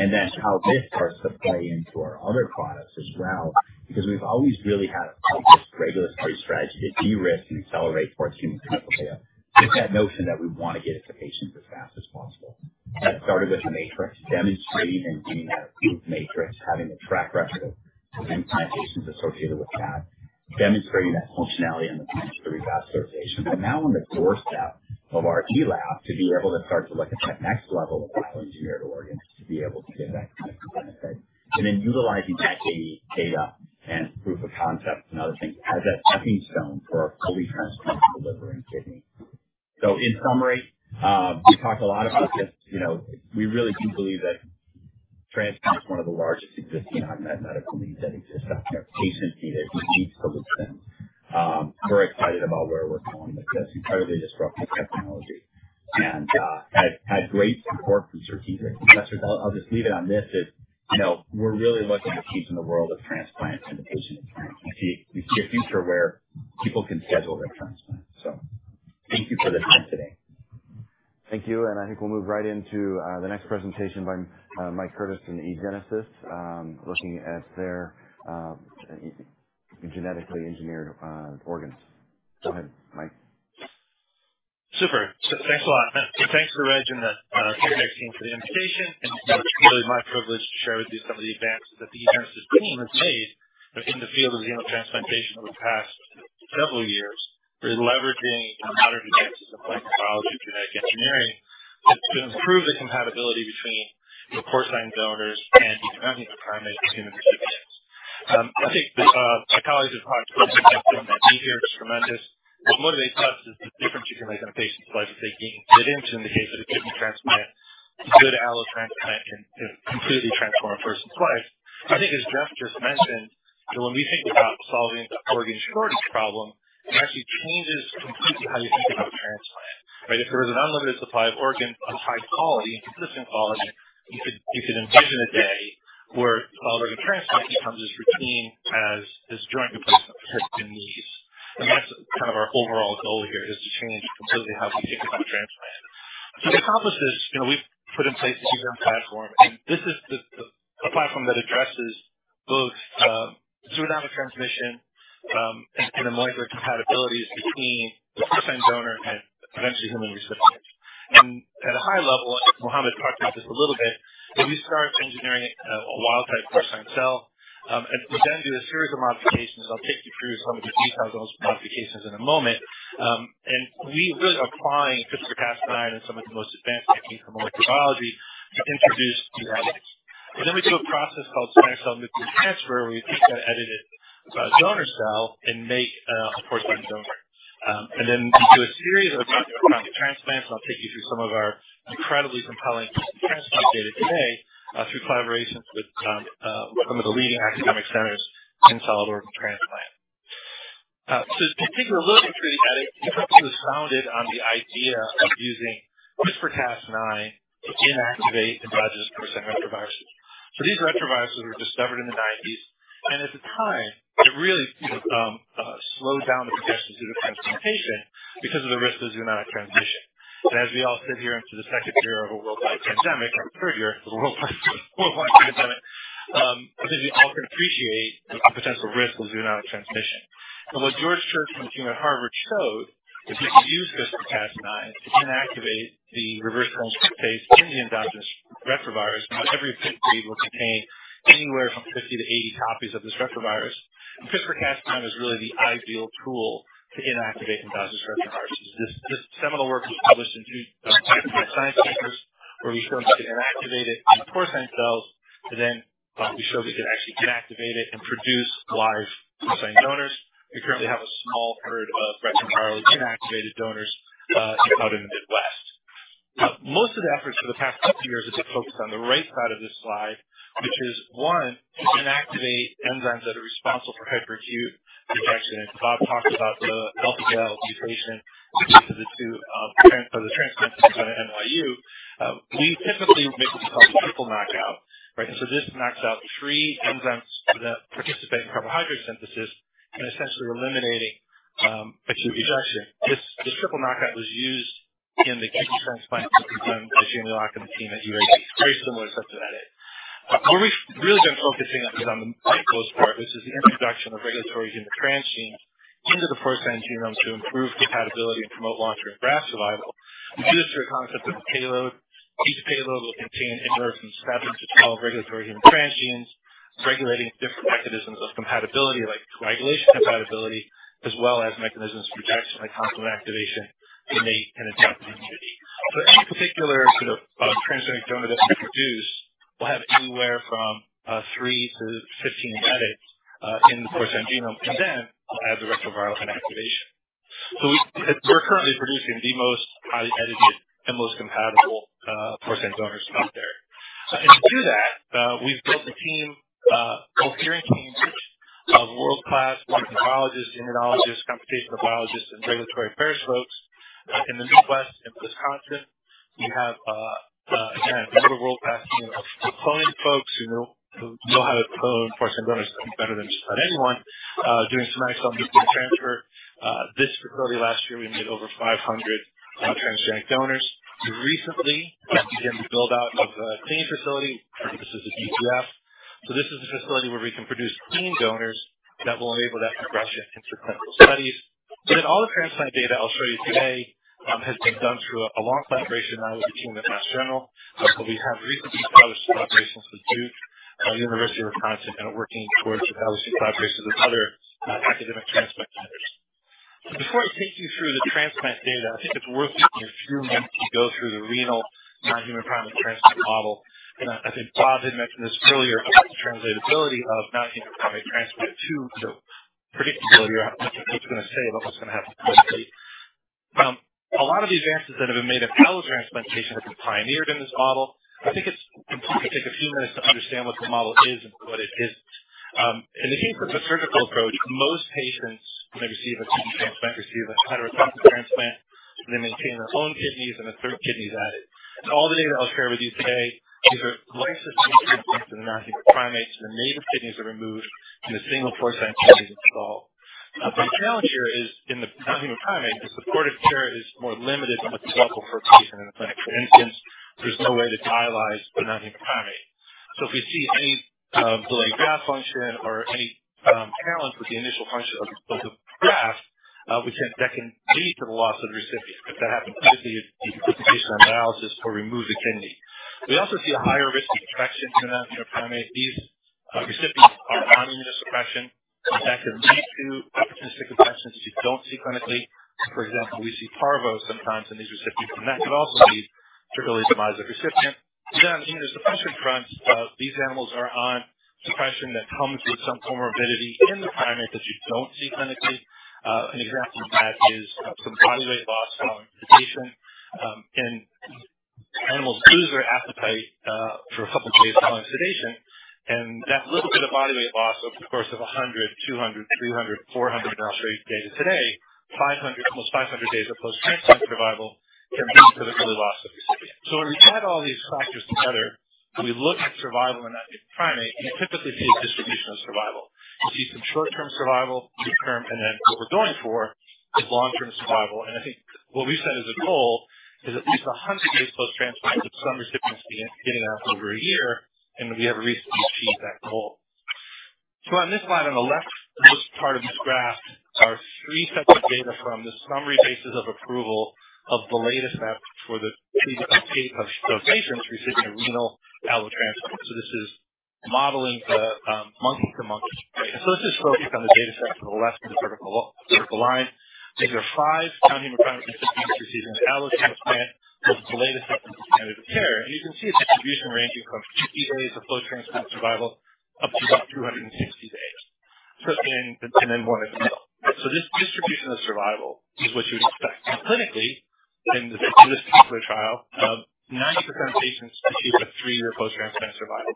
and then how this starts to play into our other products as well, because we've always really had a regular study strategy to de-risk and accelerate towards human clinical data. Just that notion that we want to get it to patients as fast as possible. That started with a matrix, demonstrating and doing that proof matrix, having a track record of implantations associated with that, demonstrating that functionality on the bench to revascularization. We're now in the doorstep of our E-Lab to be able to start to look at that next level of bioengineered organs, to be able to get that kind of benefit. Then utilizing that data and proof of concept and other things as that stepping stone for fully transplantable liver and kidney. In summary, we talked a lot about this. You know, we really do believe that transplant is one of the largest existing unmet medical needs that exists out there. Patients need it. We need solutions. We're excited about where we're going with this incredibly disruptive technology, and had great support from strategic investors. I'll just leave it on this is, you know, we're really looking to change the world of transplants and the patient experience. We see a future where people can schedule their transplants. Thank you for the time today. Thank you. I think we'll move right into the next presentation by Mike Curtis from eGenesis, looking at their genetically engineered organs. Go ahead, Mike. Super. Thanks a lot. Thanks, [Suresh] and the [CareDx] team for the invitation. It's really my privilege to share with you some of the advances that the eGenesis team has made in the field of xenotransplantation over the past several years. We're leveraging modern advances in molecular biology and genetic engineering to improve the compatibility between the porcine donors and eventually the primate and human recipients. I think the psychology behind doing that here is tremendous. What motivates us is the difference you can make in a patient's life if they gain in the case of a kidney transplant. A good allotransplant can completely transform a person's life. I think as Jeff just mentioned, when we think about solving the organ shortage problem, it actually changes completely how you think about transplant, right? If there was an unlimited supply of organs of high quality and consistent quality, you could envision a day where organ transplant becomes as routine as joint replacement has been these. That's kind of our overall goal here, is to change completely how we think about transplant. To accomplish this, you know, we've put in place the EGEN platform, and this is the platform that addresses both, zoonotic transmission, and immunocompatibilities between the porcine donor and eventually human recipients. At a high level, Muhammad talked about this a little bit, we start engineering a wild-type porcine cell, and we then do a series of modifications. I'll take you through some of the details of those modifications in a moment. We really are applying CRISPR-Cas9 and some of the most advanced techniques from molecular biology to introduce these edits. Then we do a process called somatic cell nuclear transfer, where we take that edited donor cell and make a porcine donor. Then we do a series of transplants, and I'll take you through some of our incredibly compelling transplant data today, through collaborations with some of the leading academic centers in solid organ transplant. To take a little bit through the edit, this was founded on the idea of using CRISPR-Cas9 to inactivate endogenous retroviruses. These retroviruses were discovered in the nineties, and at the time, it really, you know, slowed down the progression to the transplantation because of the risk of zoonotic transmission. As we all sit here into the second year of a worldwide pandemic or third year of a worldwide pandemic, I think we all can appreciate the potential risk of zoonotic transmission. What George Church and the team at Harvard showed was they could use CRISPR-Cas9 to inactivate the reverse transcriptase in the endogenous retrovirus. Now, every pig breed will contain anywhere from 50-80 copies of this retrovirus, and CRISPR-Cas9 is really the ideal tool to inactivate endogenous retroviruses. This seminal work was published in two Science papers where we showed we could inactivate it in porcine cells, and then we showed we could actually inactivate it and produce live porcine donors. We currently have a small herd of retrovirally inactivated donors out in the Midwest. Most of the efforts for the past couple of years have been focused on the right side of this slide, which is one, to inactivate enzymes that are responsible for hyperacute rejection. Bob talked about the [audio distortion] to the two transplants that he's done at NYU. We typically make what's called a triple knockout, right? This knocks out three enzymes that participate in carbohydrate synthesis, essentially eliminating acute rejection. This triple knockout was used in the kidney transplant that was done by Jayme Locke and the team at UAB. Very similar stuff to that edit. Where we've really been focusing on Mike Curtis's part, which is the introduction of regulatory human transgenes into the porcine genome to improve compatibility and promote long-term graft survival. We do this through a concept of a payload. Each payload will contain anywhere from 7-12 regulatory human transgenes, regulating different mechanisms of compatibility, like coagulation compatibility, as well as mechanisms for rejection, like complement activation, innate and adaptive immunity. Any particular sort of transgenic donor that we produce will have anywhere from 3-15 edits in the porcine genome, and then they'll have the retroviral inactivation. We're currently producing the most highly edited and most compatible porcine donors out there. To do that, we've built a team both here in Cambridge of world-class pharmacologists, immunologists, computational biologists, and regulatory affairs folks. In the Midwest, in Wisconsin, we have again another world-class team of cloning folks who know how to clone porcine donors better than just about anyone, doing somatic cell nuclear transfer. This facility last year, we made over 500 transgenic donors. Recently, we began the build-out of a clean facility. This is the DDF. This is a facility where we can produce clean donors that will enable that progression into clinical studies. In all the transplant data I'll show you today has been done through a long collaboration now with the team at Mass General. We have recently established collaborations with Duke, University of Wisconsin, and are working towards establishing collaborations with other academic transplant centers. Before I take you through the transplant data, I think it's worth taking a few minutes to go through the renal non-human primate transplant model. I think Bob had mentioned this earlier about the translatability of non-human primate transplant to the predictability of what's gonna say about what's gonna happen clinically. A lot of the advances that have been made in allo transplantations have been pioneered in this model. I think it's important to take a few minutes to understand what the model is and what it isn't. In the case of a surgical approach, most patients who may receive a kidney transplant receive a heterotopic transplant, and they maintain their own kidneys and a third kidney is added. All the data that I'll share with you today is a life-sustaining transplant in the non-human primates, where native kidneys are removed, and a single porcine kidney is installed. The challenge here is in the non-human primate, the supportive care is more limited than what's available for a patient in a clinic. For instance, there's no way to dialyze a non-human primate. If we see any delay in graft function or any challenge with the initial function of the graft, that can lead to the loss of the recipient because that happens quickly if you put a patient on dialysis or remove the kidney. We also see a higher risk of rejection in the non-human primate. These recipients are on immunosuppression. That can lead to opportunistic infections which you don't see clinically. For example, we see parvo sometimes in these recipients, and that could also lead to early demise of recipient. In the suppression front, these animals are on suppression that comes with some form of morbidity in the primate that you don't see clinically. An example of that is some body weight loss following sedation. Animals lose their appetite for a couple of days following sedation, and that little bit of body weight loss over the course of 100, 200, 300, 400, and I'll show you data today, 500, almost 500 days of post-transplant survival can mean the early loss of the recipient. When we add all these factors together and we look at survival in that new primate, you typically see a distribution of survival. You see some short-term survival, midterm, and then what we're going for is long-term survival. I think what we've said as a goal is at least 100 days post-transplant with some recipients getting out over a year, and we have recently achieved that goal. On this slide, on the leftmost part of this graph are three sets of data from the Summary Basis of Approval of the latest methods for the C to C associations receiving a renal allotransplant. This is modeling the monkey-to-monkey data. Let's just focus on the dataset to the left of the vertical line. These are five non-human primate recipients receiving an allogeneic transplant with the latest standard of care. You can see a distribution ranging from 50 days of post-transplant survival up to about 260 days, first median and then one as a min. This distribution of survival is what you'd expect. Clinically, in this particular trial, 90% of patients achieved a three-year post-transplant survival.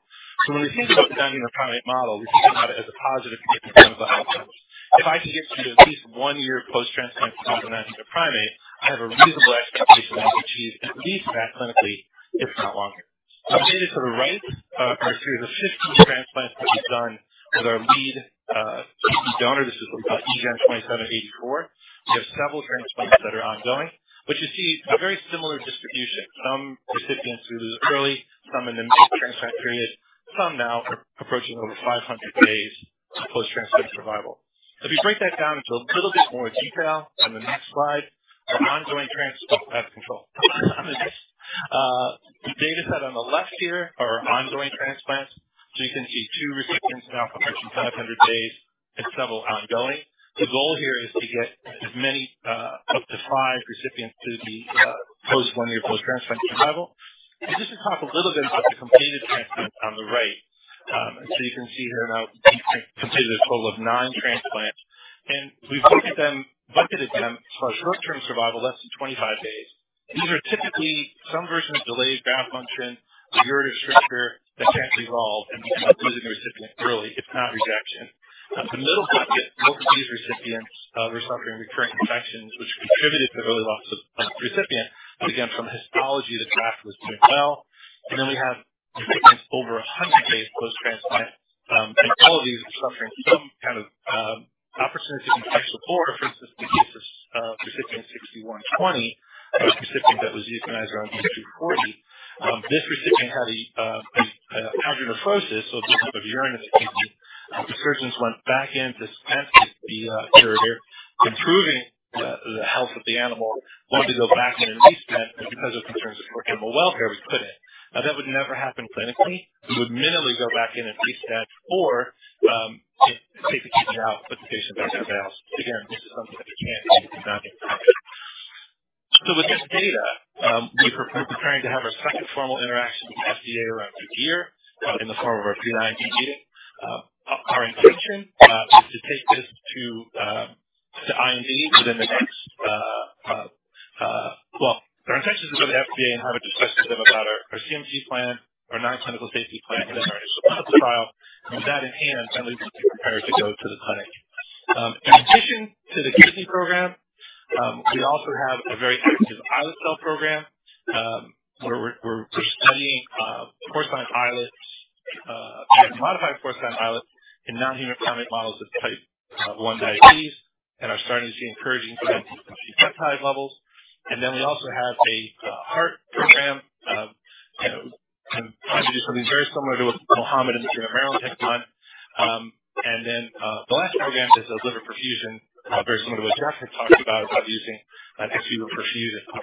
When we think about the non-human primate model, we think about it as a positive prediction of the outcomes. If I can get to at least one year post-transplant survival in non-human primate, I have a reasonable expectation that we achieve at least that clinically, if not longer. Updated to the right, are series of 15 transplants that we've done with our lead, AP donor. This is EGEN-2784. We have several transplants that are ongoing, but you see a very similar distribution. Some recipients who lose early, some in the mid-transplant period, some now approaching over 500 days post-transplant survival. If you break that down into a little bit more detail on the next slide, our ongoing. Oh, I have control. The data set on the left here are our ongoing transplants. You can see two recipients now approaching 500 days and several ongoing. The goal here is to get as many, up to five recipients to the post-one year post-transplant survival. Just to talk a little bit about the completed transplants on the right. You can see here now completed a total of nine transplants, and we've looked at them, bucketed them by short-term survival, less than 25 days. These are typically some version of delayed graft function, a ureter stricture that can't be resolved, and we end up losing the recipient early, if not rejection. The middle bucket, most of these recipients, were suffering recurrent infections which contributed to early loss of recipient. Again, from the histology, the graft was doing well. We have recipients over 100 days post-transplant, and all of these suffering some kind of opportunity in support. For instance, the case of recipient 61-20, a recipient that was euthanized on day 240. This recipient had a nephrosis, so a buildup of urine in the kidney. The surgeons went back in to stent the ureter, improving the health of the animal. Wanted to go back in and re-stent, but because of concerns of poor animal welfare, we couldn't. That would never happen clinically. We would minimally go back in and re-stent or if we take the kidney out, put the patient back on dialysis. This is something that you can't do in a non-human primate. With this data, we're preparing to have our second formal interaction with the FDA around mid-year, in the form of our pre-IND meeting. Well, our intention is to go to the FDA and have a discussion with them about our CMC plan, our non-clinical safety plan, and then our initial trial. With that in hand, we prepare to go to the clinic. In addition to the kidney program, we also have a very active islet cell program, where we're studying porcine islets and modified porcine islets in non-human primate models with type 1 diabetes and are starting to see encouraging signs in C-peptide levels. We also have a heart program, you know, and trying to do something very similar to what Muhammad and the team at Maryland have done. Then the last program is a liver perfusion, very similar to what Jeff had talked about using a tissue perfused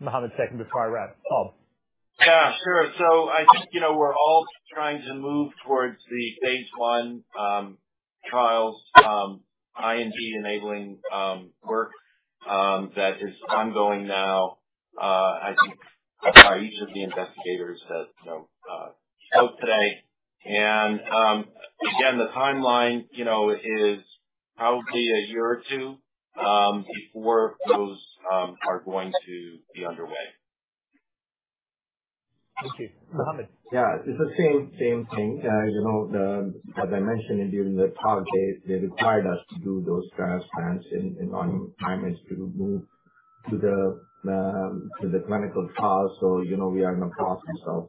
Muhammad second before I wrap. Bob. Yeah, sure. I think, you know, we're all trying to move towards the phase I trials, IND-enabling work that is ongoing now, I think by each of the investigators that, you know, spoke today. Again, the timeline, you know, is probably a year or two before those are going to be underway. Thank you. Muhammad? It's the same thing. As I mentioned during the talk, they required us to do those transplants in non-human primates to move to the clinical trial. You know, we are in the process of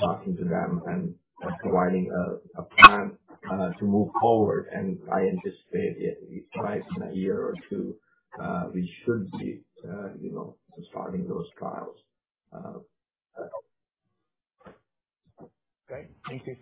talking to them and providing a plan to move forward. I anticipate in a year or two we should be starting those trials. Great. Thank you.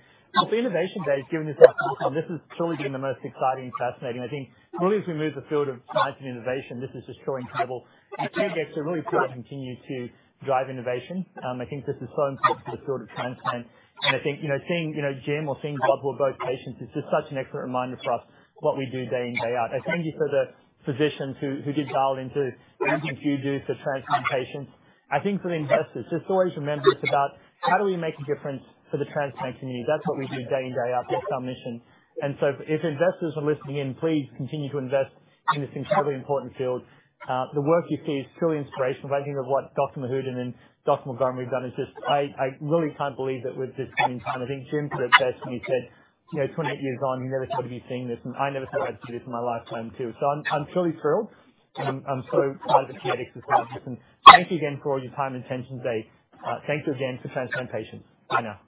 For Innovation Day, given this opportunity, this has truly been the most exciting and fascinating. I think as we move the field of science and innovation, this is just truly incredible. At CareDx, we're really proud to continue to drive innovation. I think this is so important for the field of transplant. I think, you know, seeing, you know, Jim or seeing Bob who both patients is just such an excellent reminder for us what we do day in, day out. Thank you for the physicians who did dial in to everything you do for transplant patients. I think for the investors, just always remember it's about how do we make a difference for the transplant community. That's what we do day in, day out. That's our mission. If investors are listening in, please continue to invest in this incredibly important field. The work you see is truly inspirational. If I think of what Dr. Mohiuddin and then Dr. Montgomery have done is just I really can't believe that we've just come in time. I think Jim put it best when you said, 28 years on, you never thought you'd be seeing this, and I never thought I'd see this in my lifetime too. I'm truly thrilled, and I'm so proud of the key ethicists and scientists, and thank you again for all your time and attention today. Thank you again for transplant patients. Bye now.